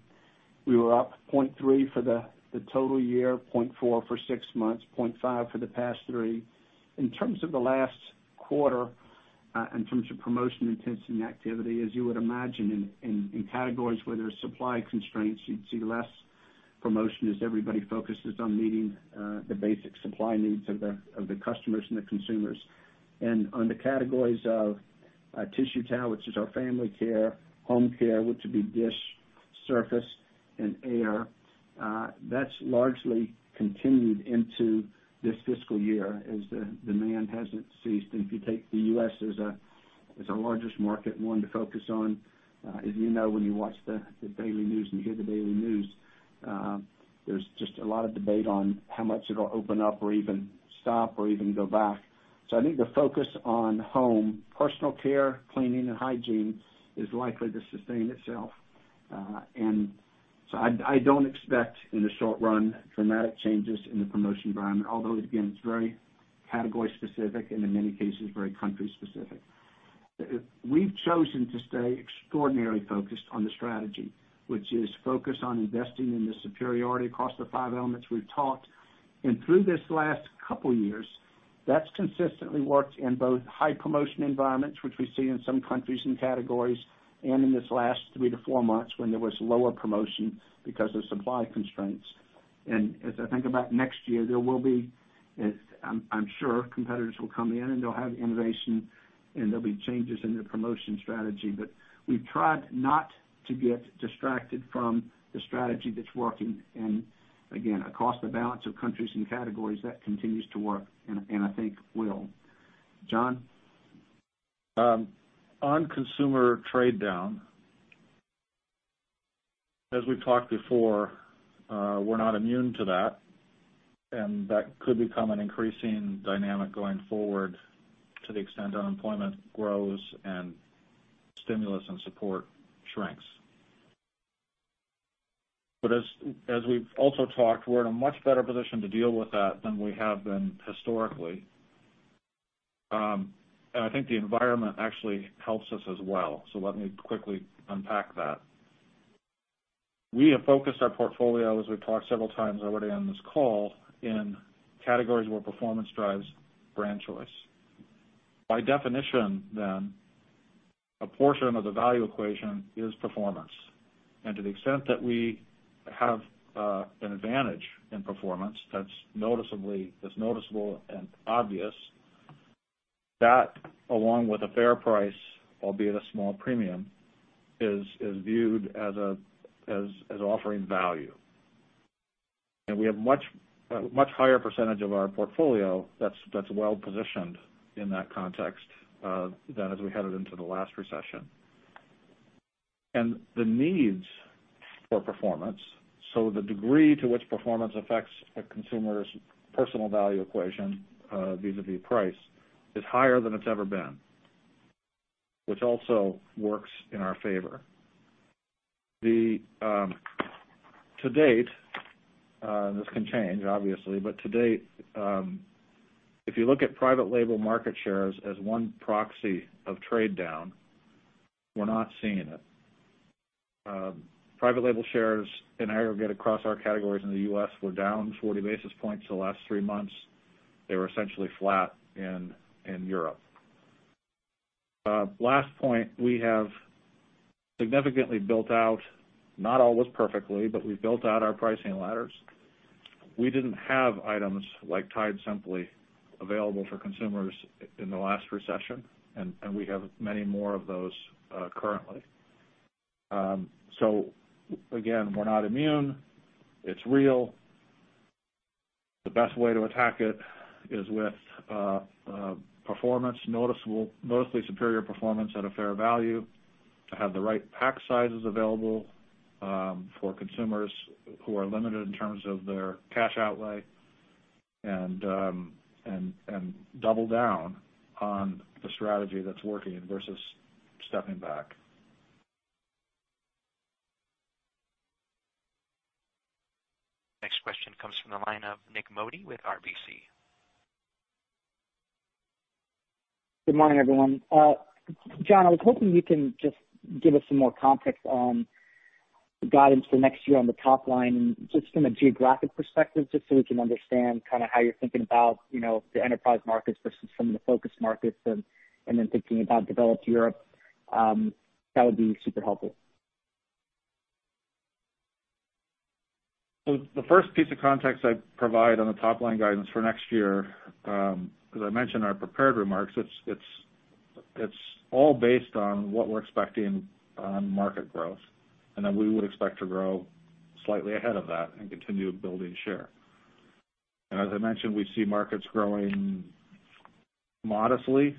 were up 0.3 for the total year, 0.4 for six months, 0.5 for the past three. In terms of the last quarter, in terms of promotion intensity and activity, as you would imagine in categories where there's supply constraints, you'd see less promotion as everybody focuses on meeting the basic supply needs of the customers and the consumers. On the categories of tissue towel, which is our family care, home care, which would be dish, surface, and air, that's largely continued into this fiscal year as the demand hasn't ceased. If you take the U.S. as our largest market and one to focus on, as you know when you watch the daily news and hear the daily news, there's just a lot of debate on how much it'll open up or even stop or even go back. I think the focus on home, personal care, cleaning, and hygiene is likely to sustain itself. I don't expect in the short run dramatic changes in the promotion environment, although again, it's very category specific and in many cases, very country specific. We've chosen to stay extraordinarily focused on the strategy, which is focus on investing in the superiority across the five elements we've taught. Through this last couple years, that's consistently worked in both high promotion environments, which we see in some countries and categories, and in this last three to four months when there was lower promotion because of supply constraints. As I think about next year, there will be, I'm sure competitors will come in and they'll have innovation and there'll be changes in their promotion strategy. We've tried not to get distracted from the strategy that's working. Again, across the balance of countries and categories, that continues to work and I think will. Jon? On consumer trade down, as we've talked before, we're not immune to that. That could become an increasing dynamic going forward to the extent unemployment grows and stimulus and support shrinks. As we've also talked, we're in a much better position to deal with that than we have been historically. I think the environment actually helps us as well. Let me quickly unpack that. We have focused our portfolio, as we've talked several times already on this call, in categories where performance drives brand choice. By definition then, a portion of the value equation is performance. To the extent that we have an advantage in performance that's noticeable and obvious, that along with a fair price, albeit a small premium, is viewed as offering value. We have much higher percentage of our portfolio that's well-positioned in that context than as we headed into the last recession. The needs for performance, so the degree to which performance affects a consumer's personal value equation vis-a-vis price, is higher than it's ever been, which also works in our favor. To date, this can change obviously, but to date, if you look at private label market shares as one proxy of trade down, we're not seeing it. Private label shares in aggregate across our categories in the U.S. were down 40 basis points the last three months. They were essentially flat in Europe. Last point, we have significantly built out, not always perfectly, but we've built out our pricing ladders. We didn't have items like Tide Simply available for consumers in the last recession, and we have many more of those, currently. Again, we're not immune. It's real. The best way to attack it is with performance, mostly superior performance at a fair value, to have the right pack sizes available for consumers who are limited in terms of their cash outlay, and double down on the strategy that's working versus stepping back. Next question comes from the line of Nik Modi with RBC. Good morning, everyone. Jon, I was hoping you can just give us some more context on guidance for next year on the top line, and just from a geographic perspective, just so we can understand how you're thinking about the enterprise markets versus some of the focus markets and then thinking about developed Europe. That would be super helpful. The first piece of context I'd provide on the top-line guidance for next year, as I mentioned in our prepared remarks, it's all based on what we're expecting on market growth, then we would expect to grow slightly ahead of that and continue building share. As I mentioned, we see markets growing modestly,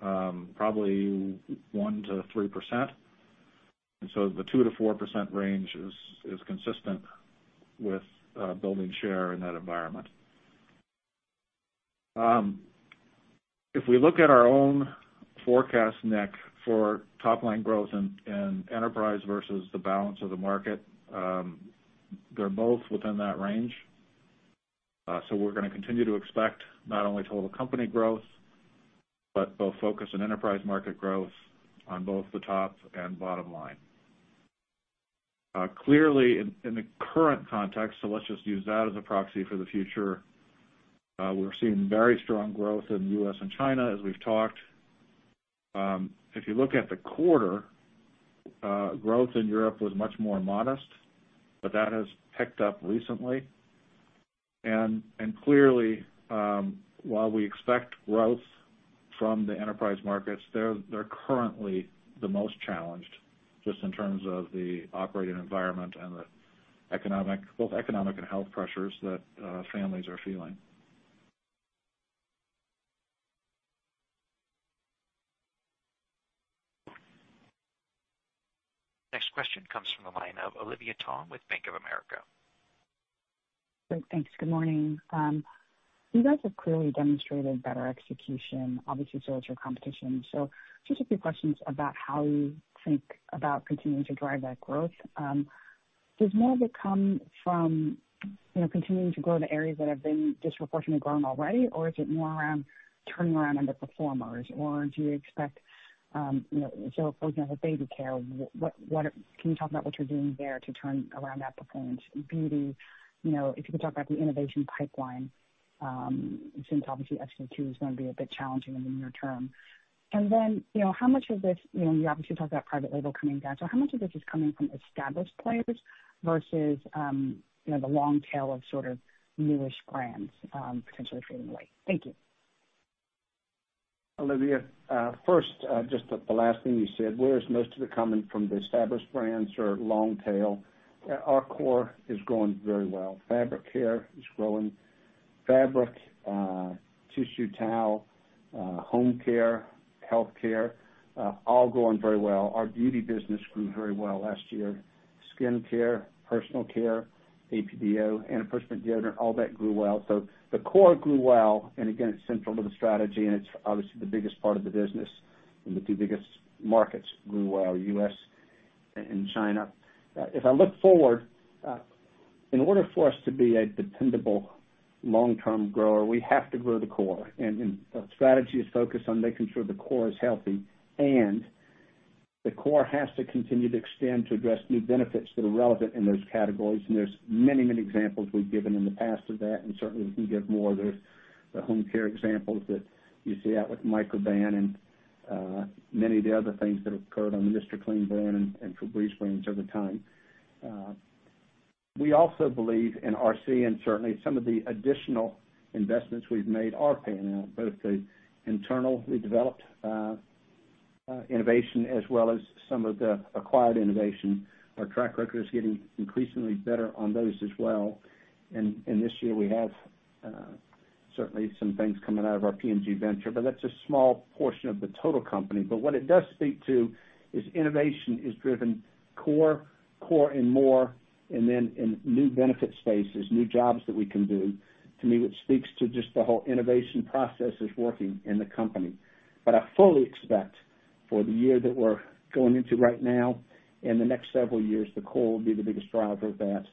probably 1%-3%. The 2%-4% range is consistent with building share in that environment. If we look at our own forecast, Nik, for top-line growth in enterprise versus the balance of the market, they're both within that range. We're going to continue to expect not only total company growth, but both focus on enterprise market growth on both the top and bottom line. Clearly in the current context, let's just use that as a proxy for the future, we're seeing very strong growth in U.S. and China, as we've talked. If you look at the quarter, growth in Europe was much more modest, that has picked up recently. Clearly, while we expect growth from the enterprise markets, they're currently the most challenged, just in terms of the operating environment and both economic and health pressures that families are feeling. Next question comes from the line of Olivia Tong with Bank of America. Great. Thanks. Good morning. You guys have clearly demonstrated better execution, obviously, so has your competition. Just a few questions about how you think about continuing to drive that growth. Does more of it come from continuing to grow in the areas that have been disproportionately growing already, or is it more around turning around underperformers? For example, baby care, can you talk about what you're doing there to turn around that performance? In beauty, if you could talk about the innovation pipeline, since obviously SK-II is going to be a bit challenging in the near term? Then, you obviously talked about private label coming down. How much of this is coming from established players versus the long tail of sort of newish brands potentially trading away? Thank you. Olivia, first, just the last thing you said, where is most of it coming from, the established brands or long tail? Our core is growing very well. Fabric care is growing. Fabric, tissue towel, home care, healthcare, all growing very well. Our beauty business grew very well last year. Skincare, personal care, AP/Deo, antiperspirant deodorant, all that grew well. The core grew well, and again, it's central to the strategy, and it's obviously the biggest part of the business, and the two biggest markets grew well, U.S. and China. If I look forward, in order for us to be a dependable long-term grower, we have to grow the core. The strategy is focused on making sure the core is healthy and The core has to continue to extend to address new benefits that are relevant in those categories. There's many, many examples we've given in the past of that. Certainly we can give more. There's the home care examples that you see out with Microban and many of the other things that have occurred on Mr. Clean brand and Febreze brand over time. We also believe in RC. Certainly some of the additional investments we've made are paying out, both the internally developed innovation as well as some of the acquired innovation. Our track record is getting increasingly better on those as well. This year we have certainly some things coming out of our P&G Ventures, but that's a small portion of the total company. What it does speak to is innovation is driven core and more, and then in new benefit spaces, new jobs that we can do. To me, it speaks to just the whole innovation process is working in the company. I fully expect for the year that we're going into right now, and the next several years, the core will be the biggest driver of that.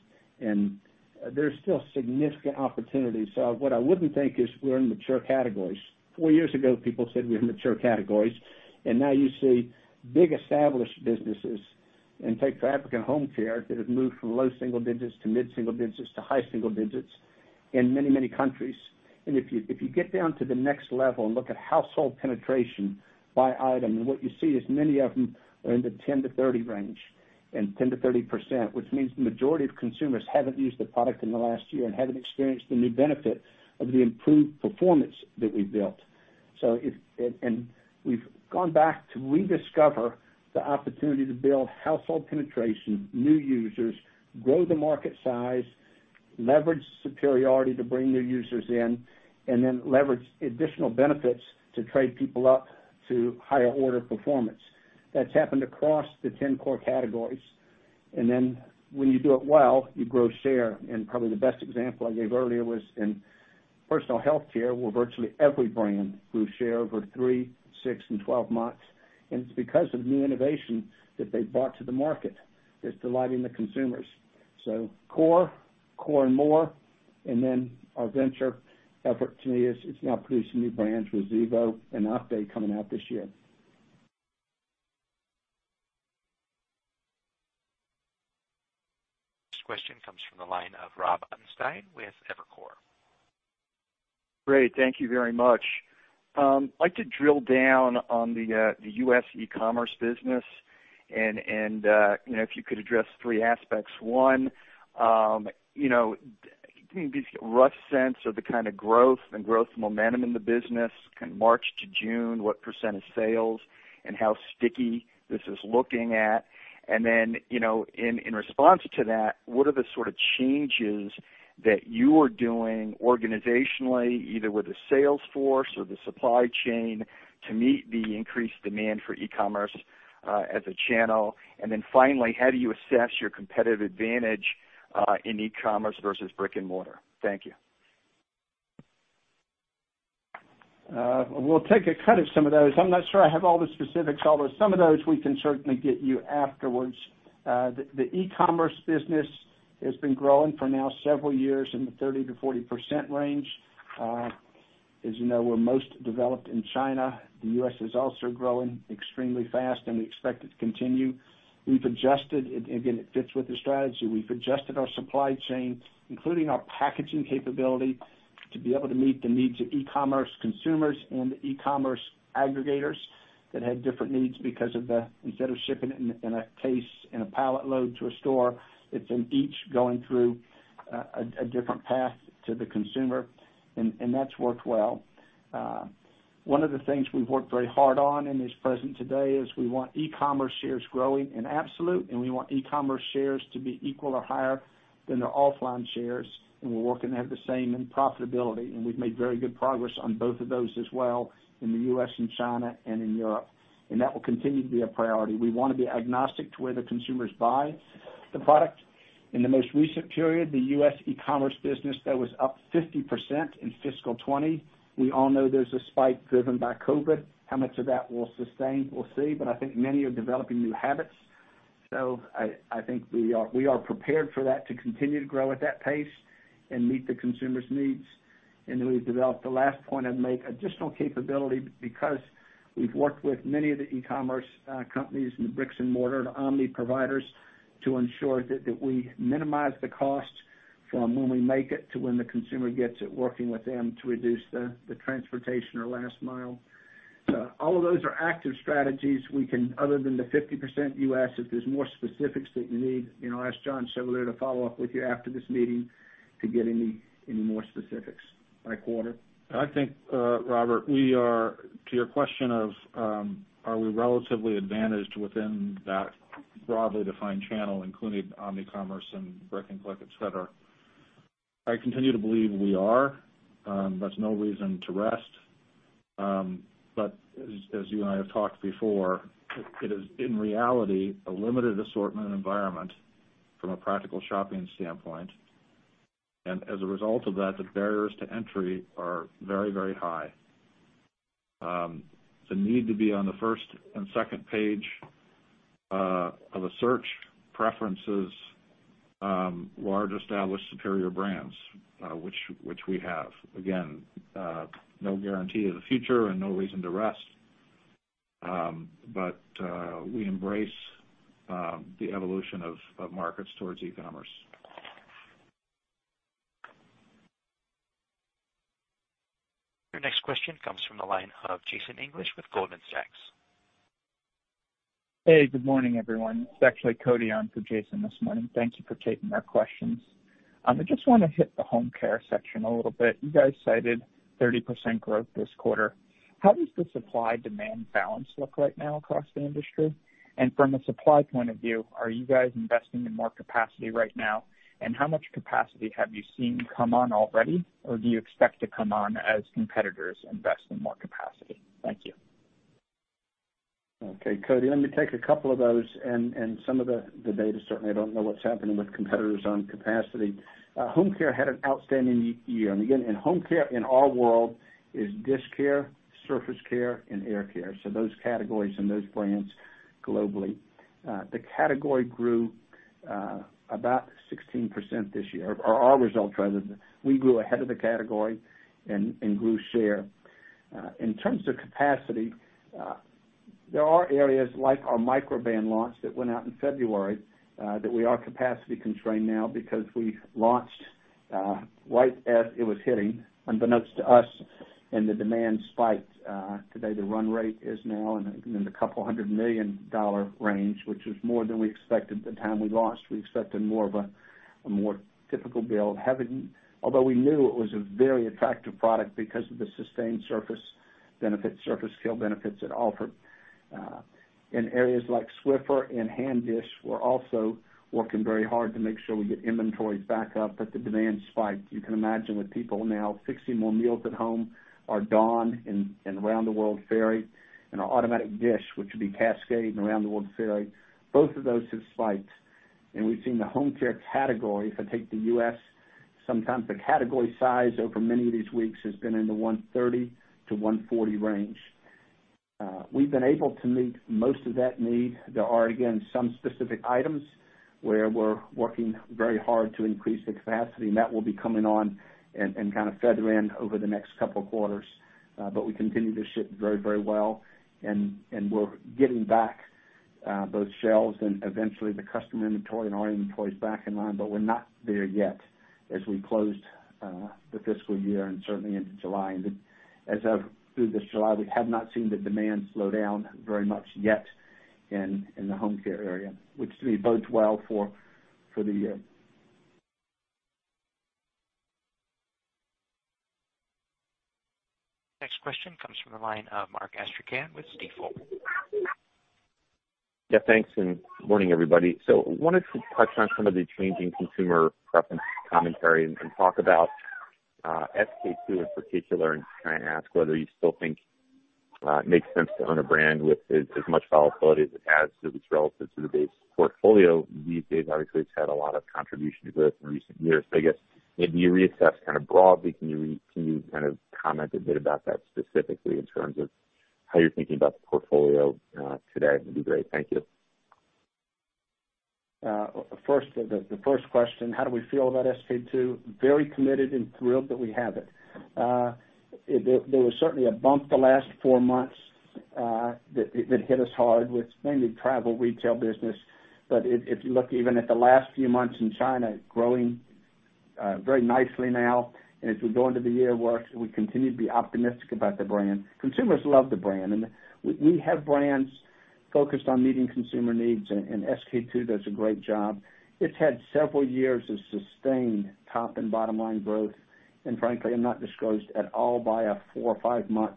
There's still significant opportunities. What I wouldn't think is we're in mature categories. Four years ago, people said we're in mature categories, and now you see big established businesses, and take Fabric and Home Care, that have moved from low single digits to mid single digits to high single digits in many, many countries. If you get down to the next level and look at household penetration by item, what you see is many of them are in the 10-30 range, in 10%-30%, which means the majority of consumers haven't used the product in the last year and haven't experienced the new benefit of the improved performance that we've built. We've gone back to rediscover the opportunity to build household penetration, new users, grow the market size, leverage superiority to bring new users in, and then leverage additional benefits to trade people up to higher order performance. That's happened across the 10 core categories. When you do it well, you grow share. Probably the best example I gave earlier was in personal healthcare, where virtually every brand grew share over three, six, and 12 months. It's because of the new innovation that they've brought to the market that's delighting the consumers. Core, core and more, and then our venture effort to me is now producing new brands with Zevo and Opté coming out this year. This question comes from the line of Rob Ottenstein with Evercore. Great. Thank you very much. I'd like to drill down on the U.S. e-commerce business. If you could address three aspects. One, can you give me a rough sense of the kind of growth and growth momentum in the business, kind of March to June, what percent of sales, and how sticky this is looking at? Then, in response to that, what are the sort of changes that you are doing organizationally, either with the sales force or the supply chain, to meet the increased demand for e-commerce as a channel? Then finally, how do you assess your competitive advantage in e-commerce versus brick and mortar? Thank you. We'll take a cut at some of those. I'm not sure I have all the specifics, although some of those we can certainly get you afterwards. The e-commerce business has been growing for now several years in the 30%-40% range. As you know, we're most developed in China. The U.S. is also growing extremely fast, and we expect it to continue. Again, it fits with the strategy. We've adjusted our supply chain, including our packaging capability, to be able to meet the needs of e-commerce consumers and e-commerce aggregators that have different needs because of the instead of shipping it in a case, in a pallet load to a store, it's in each going through a different path to the consumer, and that's worked well. One of the things we've worked very hard on, and is present today, is we want e-commerce shares growing in absolute, and we want e-commerce shares to be equal to higher than their offline shares. We're working to have the same in profitability, and we've made very good progress on both of those as well in the U.S. and China and in Europe. That will continue to be a priority. We want to be agnostic to where the consumers buy the product. In the most recent period, the U.S. e-commerce business there was up 50% in fiscal 2020. We all know there's a spike driven by COVID. How much of that will sustain, we'll see, but I think many are developing new habits. I think we are prepared for that to continue to grow at that pace and meet the consumer's needs. We've developed the last point I'd make, additional capability because we've worked with many of the e-commerce companies and the bricks and mortar, the omni providers, to ensure that we minimize the cost from when we make it to when the consumer gets it, working with them to reduce the transportation or last mile. All of those are active strategies. Other than the 50% U.S., if there's more specifics that you need, ask John Chevalier to follow up with you after this meeting to get any more specifics by quarter. I think, Robert, to your question of are we relatively advantaged within that broadly defined channel, including omni-commerce and brick and click, et cetera, I continue to believe we are. That's no reason to rest. As you and I have talked before, it is, in reality, a limited assortment environment from a practical shopping standpoint. As a result of that, the barriers to entry are very, very high. The need to be on the first and second page of a search preferences. Large, established, superior brands, which we have. No guarantee of the future and no reason to rest. We embrace the evolution of markets towards e-commerce. Your next question comes from the line of Jason English with Goldman Sachs. Hey, good morning, everyone. It's actually Cody on for Jason this morning. Thank you for taking our questions. I just want to hit the home care section a little bit. You guys cited 30% growth this quarter. How does the supply-demand balance look right now across the industry? From a supply point of view, are you guys investing in more capacity right now? How much capacity have you seen come on already? Do you expect to come on as competitors invest in more capacity? Thank you. Okay, Cody, let me take a couple of those and some of the data. Certainly, I don't know what's happening with competitors on capacity. Home care had an outstanding year. Again, in home care, in our world, is dish care, surface care, and air care. Those categories and those brands globally. The category grew about 16% this year, or our results rather. We grew ahead of the category and grew share. In terms of capacity, there are areas like our Microban launch that went out in February, that we are capacity constrained now because we launched right as it was hitting, unbeknownst to us, and the demand spiked. Today, the run rate is now in the $couple hundred million range, which is more than we expected at the time we launched. We expected a more typical build. Although we knew it was a very attractive product because of the sustained surface benefits, surface kill benefits it offered. In areas like Swiffer and Hand Dish, we're also working very hard to make sure we get inventory back up, but the demand spiked. You can imagine with people now fixing more meals at home, our Dawn and around the world Fairy and our Automatic Dish, which would be Cascade and around the world Fairy, both of those have spiked. We've seen the home care category, if I take the U.S., sometimes the category size over many of these weeks has been in the 130-140 range. We've been able to meet most of that need. There are, again, some specific items where we're working very hard to increase the capacity, and that will be coming on and kind of feather in over the next couple of quarters. We continue to ship very well, and we're getting back both shelves and eventually the customer inventory and our inventories back in line. We're not there yet as we closed the fiscal year and certainly into July. As of through this July, we have not seen the demand slow down very much yet in the home care area, which to me bodes well for the year. Next question comes from the line of Mark Astrachan with Stifel. Yeah, thanks, and good morning, everybody. Wanted to touch on some of the changing consumer preference commentary and talk about SK-II in particular, and kind of ask whether you still think it makes sense to own a brand with as much volatility as it has to at least relative to the base portfolio these days. Obviously, it's had a lot of contribution to growth in recent years. I guess as you reassess kind of broadly, can you kind of comment a bit about that specifically in terms of how you're thinking about the portfolio today? That'd be great. Thank you. The first question, how do we feel about SK-II? Very committed and thrilled that we have it. There was certainly a bump the last four months that hit us hard with mainly travel retail business. If you look even at the last few months in China, growing very nicely now, and as we go into the year, we continue to be optimistic about the brand. Consumers love the brand, and we have brands focused on meeting consumer needs, and SK-II does a great job. It's had several years of sustained top and bottom-line growth, and frankly, I'm not discouraged at all by a four or five-month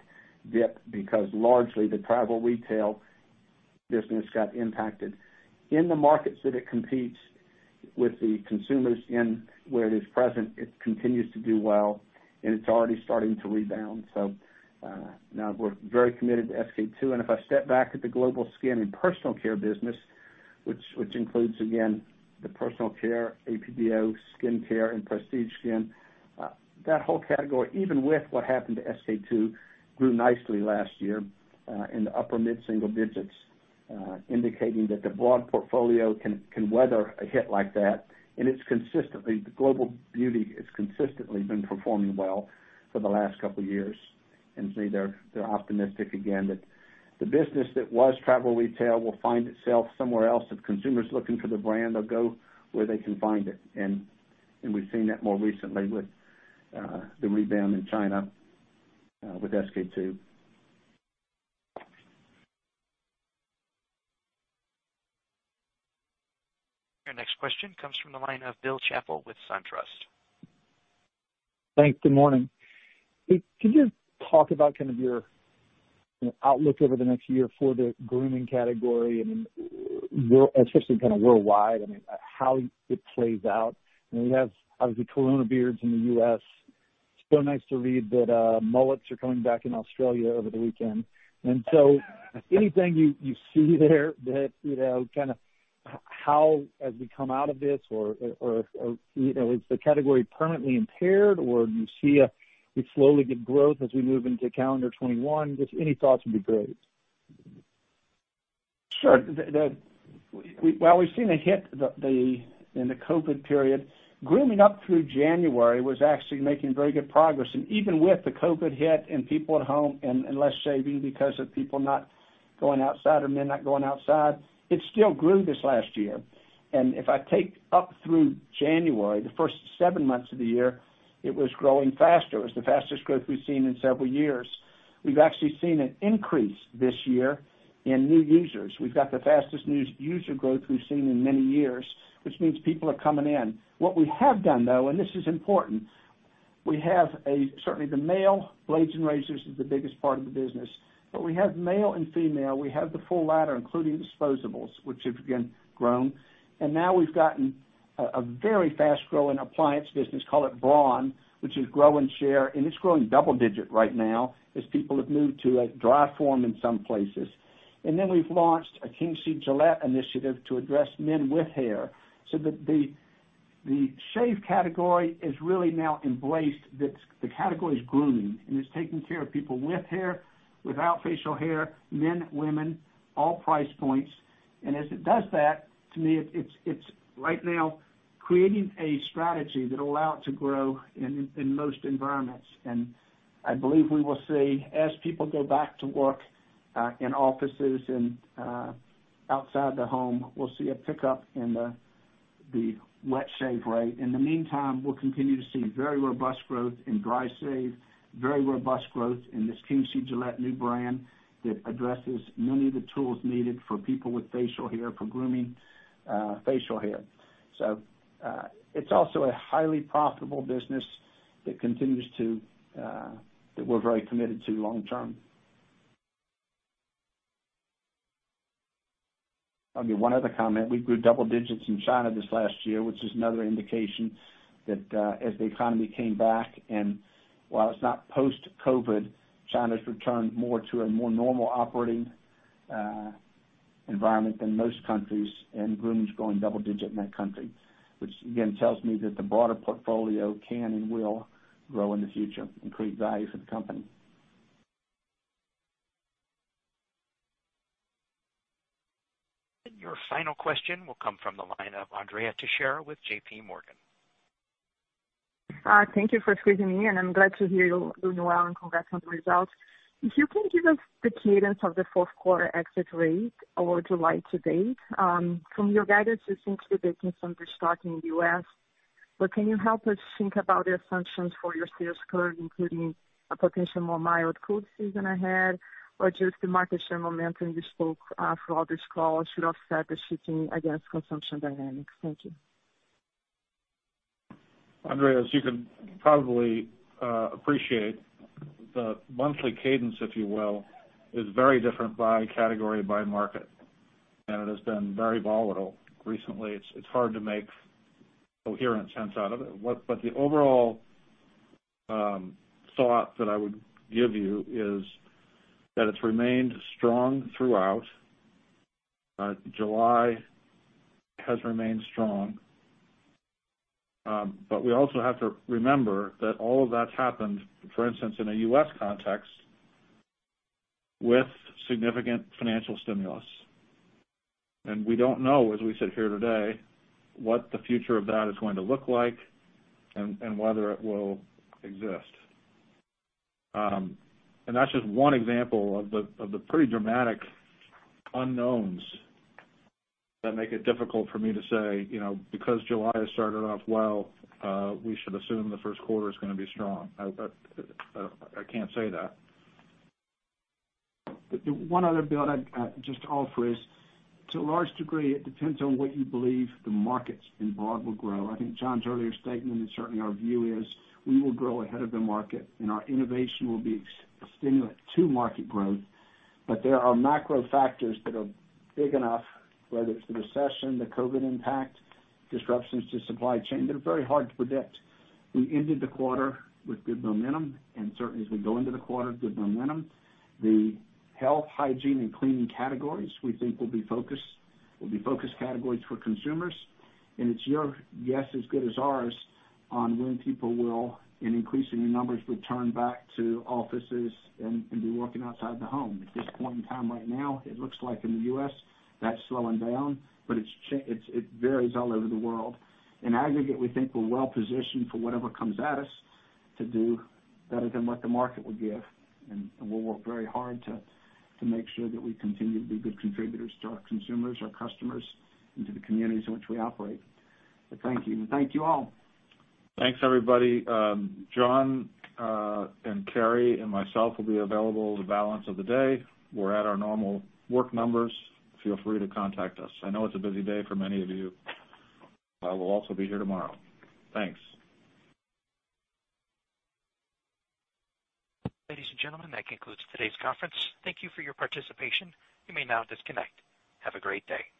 dip because largely the travel retail business got impacted. In the markets that it competes with the consumers in where it is present, it continues to do well, and it's already starting to rebound. Now we're very committed to SK-II. If I step back at the global skin and personal care business, which includes, again, the personal care, AP/DO, skincare, and prestige skin. That whole category, even with what happened to SK-II, grew nicely last year in the upper mid-single digits, indicating that the broad portfolio can weather a hit like that. The global beauty has consistently been performing well for the last couple of years. They're optimistic again that the business that was travel retail will find itself somewhere else. If consumers looking for the brand, they'll go where they can find it. We've seen that more recently with the rebound in China with SK-II. Your next question comes from the line of Bill Chappell with SunTrust. Thanks. Good morning. Could you talk about kind of your outlook over the next year for the grooming category and especially kind of worldwide, I mean, how it plays out? We have obviously corona beards in the U.S. It's so nice to read that mullets are coming back in Australia over the weekend. Anything you see there that kind of how as we come out of this, or is the category permanently impaired, or do you see we slowly get growth as we move into calendar 2021? Just any thoughts would be great. Sure. While we've seen a hit in the COVID period, grooming up through January was actually making very good progress. Even with the COVID hit and people at home and less shaving because of people not going outside or men not going outside, it still grew this last year. If I take up through January, the first seven months of the year, it was growing faster. It was the fastest growth we've seen in several years. We've actually seen an increase this year in new users. We've got the fastest new user growth we've seen in many years, which means people are coming in. What we have done, though, and this is important, certainly the male blades and razors is the biggest part of the business, but we have male and female. We have the full ladder, including disposables, which have, again, grown. Now we've gotten a very fast-growing appliance business, call it Braun, which is growing share, and it's growing double digit right now as people have moved to a dry form in some places. Then we've launched a King C. Gillette initiative to address men with hair. The shave category is really now embraced, that the category is grooming, and it's taking care of people with hair, without facial hair, men, women, all price points. As it does that, to me, it's right now creating a strategy that allow it to grow in most environments. I believe we will see as people go back to work, in offices and outside the home, we'll see a pickup in the wet shave rate. In the meantime, we'll continue to see very robust growth in dry shave, very robust growth in this King C. Gillette new brand that addresses many of the tools needed for people with facial hair, for grooming facial hair. It's also a highly profitable business that we're very committed to long term. Maybe one other comment. We grew double digits in China this last year, which is another indication that, as the economy came back, and while it's not post-COVID, China's returned more to a more normal operating environment than most countries, and groom's growing double digit in that country, which, again, tells me that the broader portfolio can and will grow in the future, increase value for the company. Your final question will come from the line of Andrea Teixeira with JPMorgan. Thank you for squeezing me in. I'm glad to hear you, Lunaw, and congrats on the results. You can give us the cadence of the fourth quarter exit rate or July to date. From your guidance, it seems to be taking some restocking in the U.S., can you help us think about the assumptions for your sales curve, including a potential more mild cold season ahead or just the market share momentum you spoke throughout this call should offset the shifting against consumption dynamics? Thank you. Andrea, as you can probably appreciate, the monthly cadence, if you will, is very different by category, by market, and it has been very volatile recently. It's hard to make coherent sense out of it. The overall thought that I would give you is that it's remained strong throughout. July has remained strong. We also have to remember that all of that's happened, for instance, in a U.S. context with significant financial stimulus. We don't know, as we sit here today, what the future of that is going to look like and whether it will exist. That's just one example of the pretty dramatic unknowns that make it difficult for me to say, because July has started off well, we should assume the first quarter is going to be strong. I can't say that. One other bit I'd just offer is, to a large degree, it depends on what you believe the markets in broad will grow. I think Jon's earlier statement, and certainly our view is, we will grow ahead of the market, and our innovation will be a stimulant to market growth. There are macro factors that are big enough, whether it's the recession, the COVID impact, disruptions to supply chain that are very hard to predict. We ended the quarter with good momentum and certainly as we go into the quarter, good momentum. The health, hygiene, and cleaning categories we think will be focus categories for consumers, and it's your guess as good as ours on when people will, in increasing numbers, return back to offices and be working outside the home. At this point in time right now, it looks like in the U.S. that's slowing down, but it varies all over the world. In aggregate, we think we're well-positioned for whatever comes at us to do better than what the market will give, and we'll work very hard to make sure that we continue to be good contributors to our consumers, our customers, and to the communities in which we operate. Thank you, and thank you all. Thanks, everybody. John and Kerry and myself will be available the balance of the day. We're at our normal work numbers. Feel free to contact us. I know it's a busy day for many of you. I will also be here tomorrow. Thanks. Ladies and gentlemen, that concludes today's conference. Thank you for your participation. You may now disconnect. Have a great day.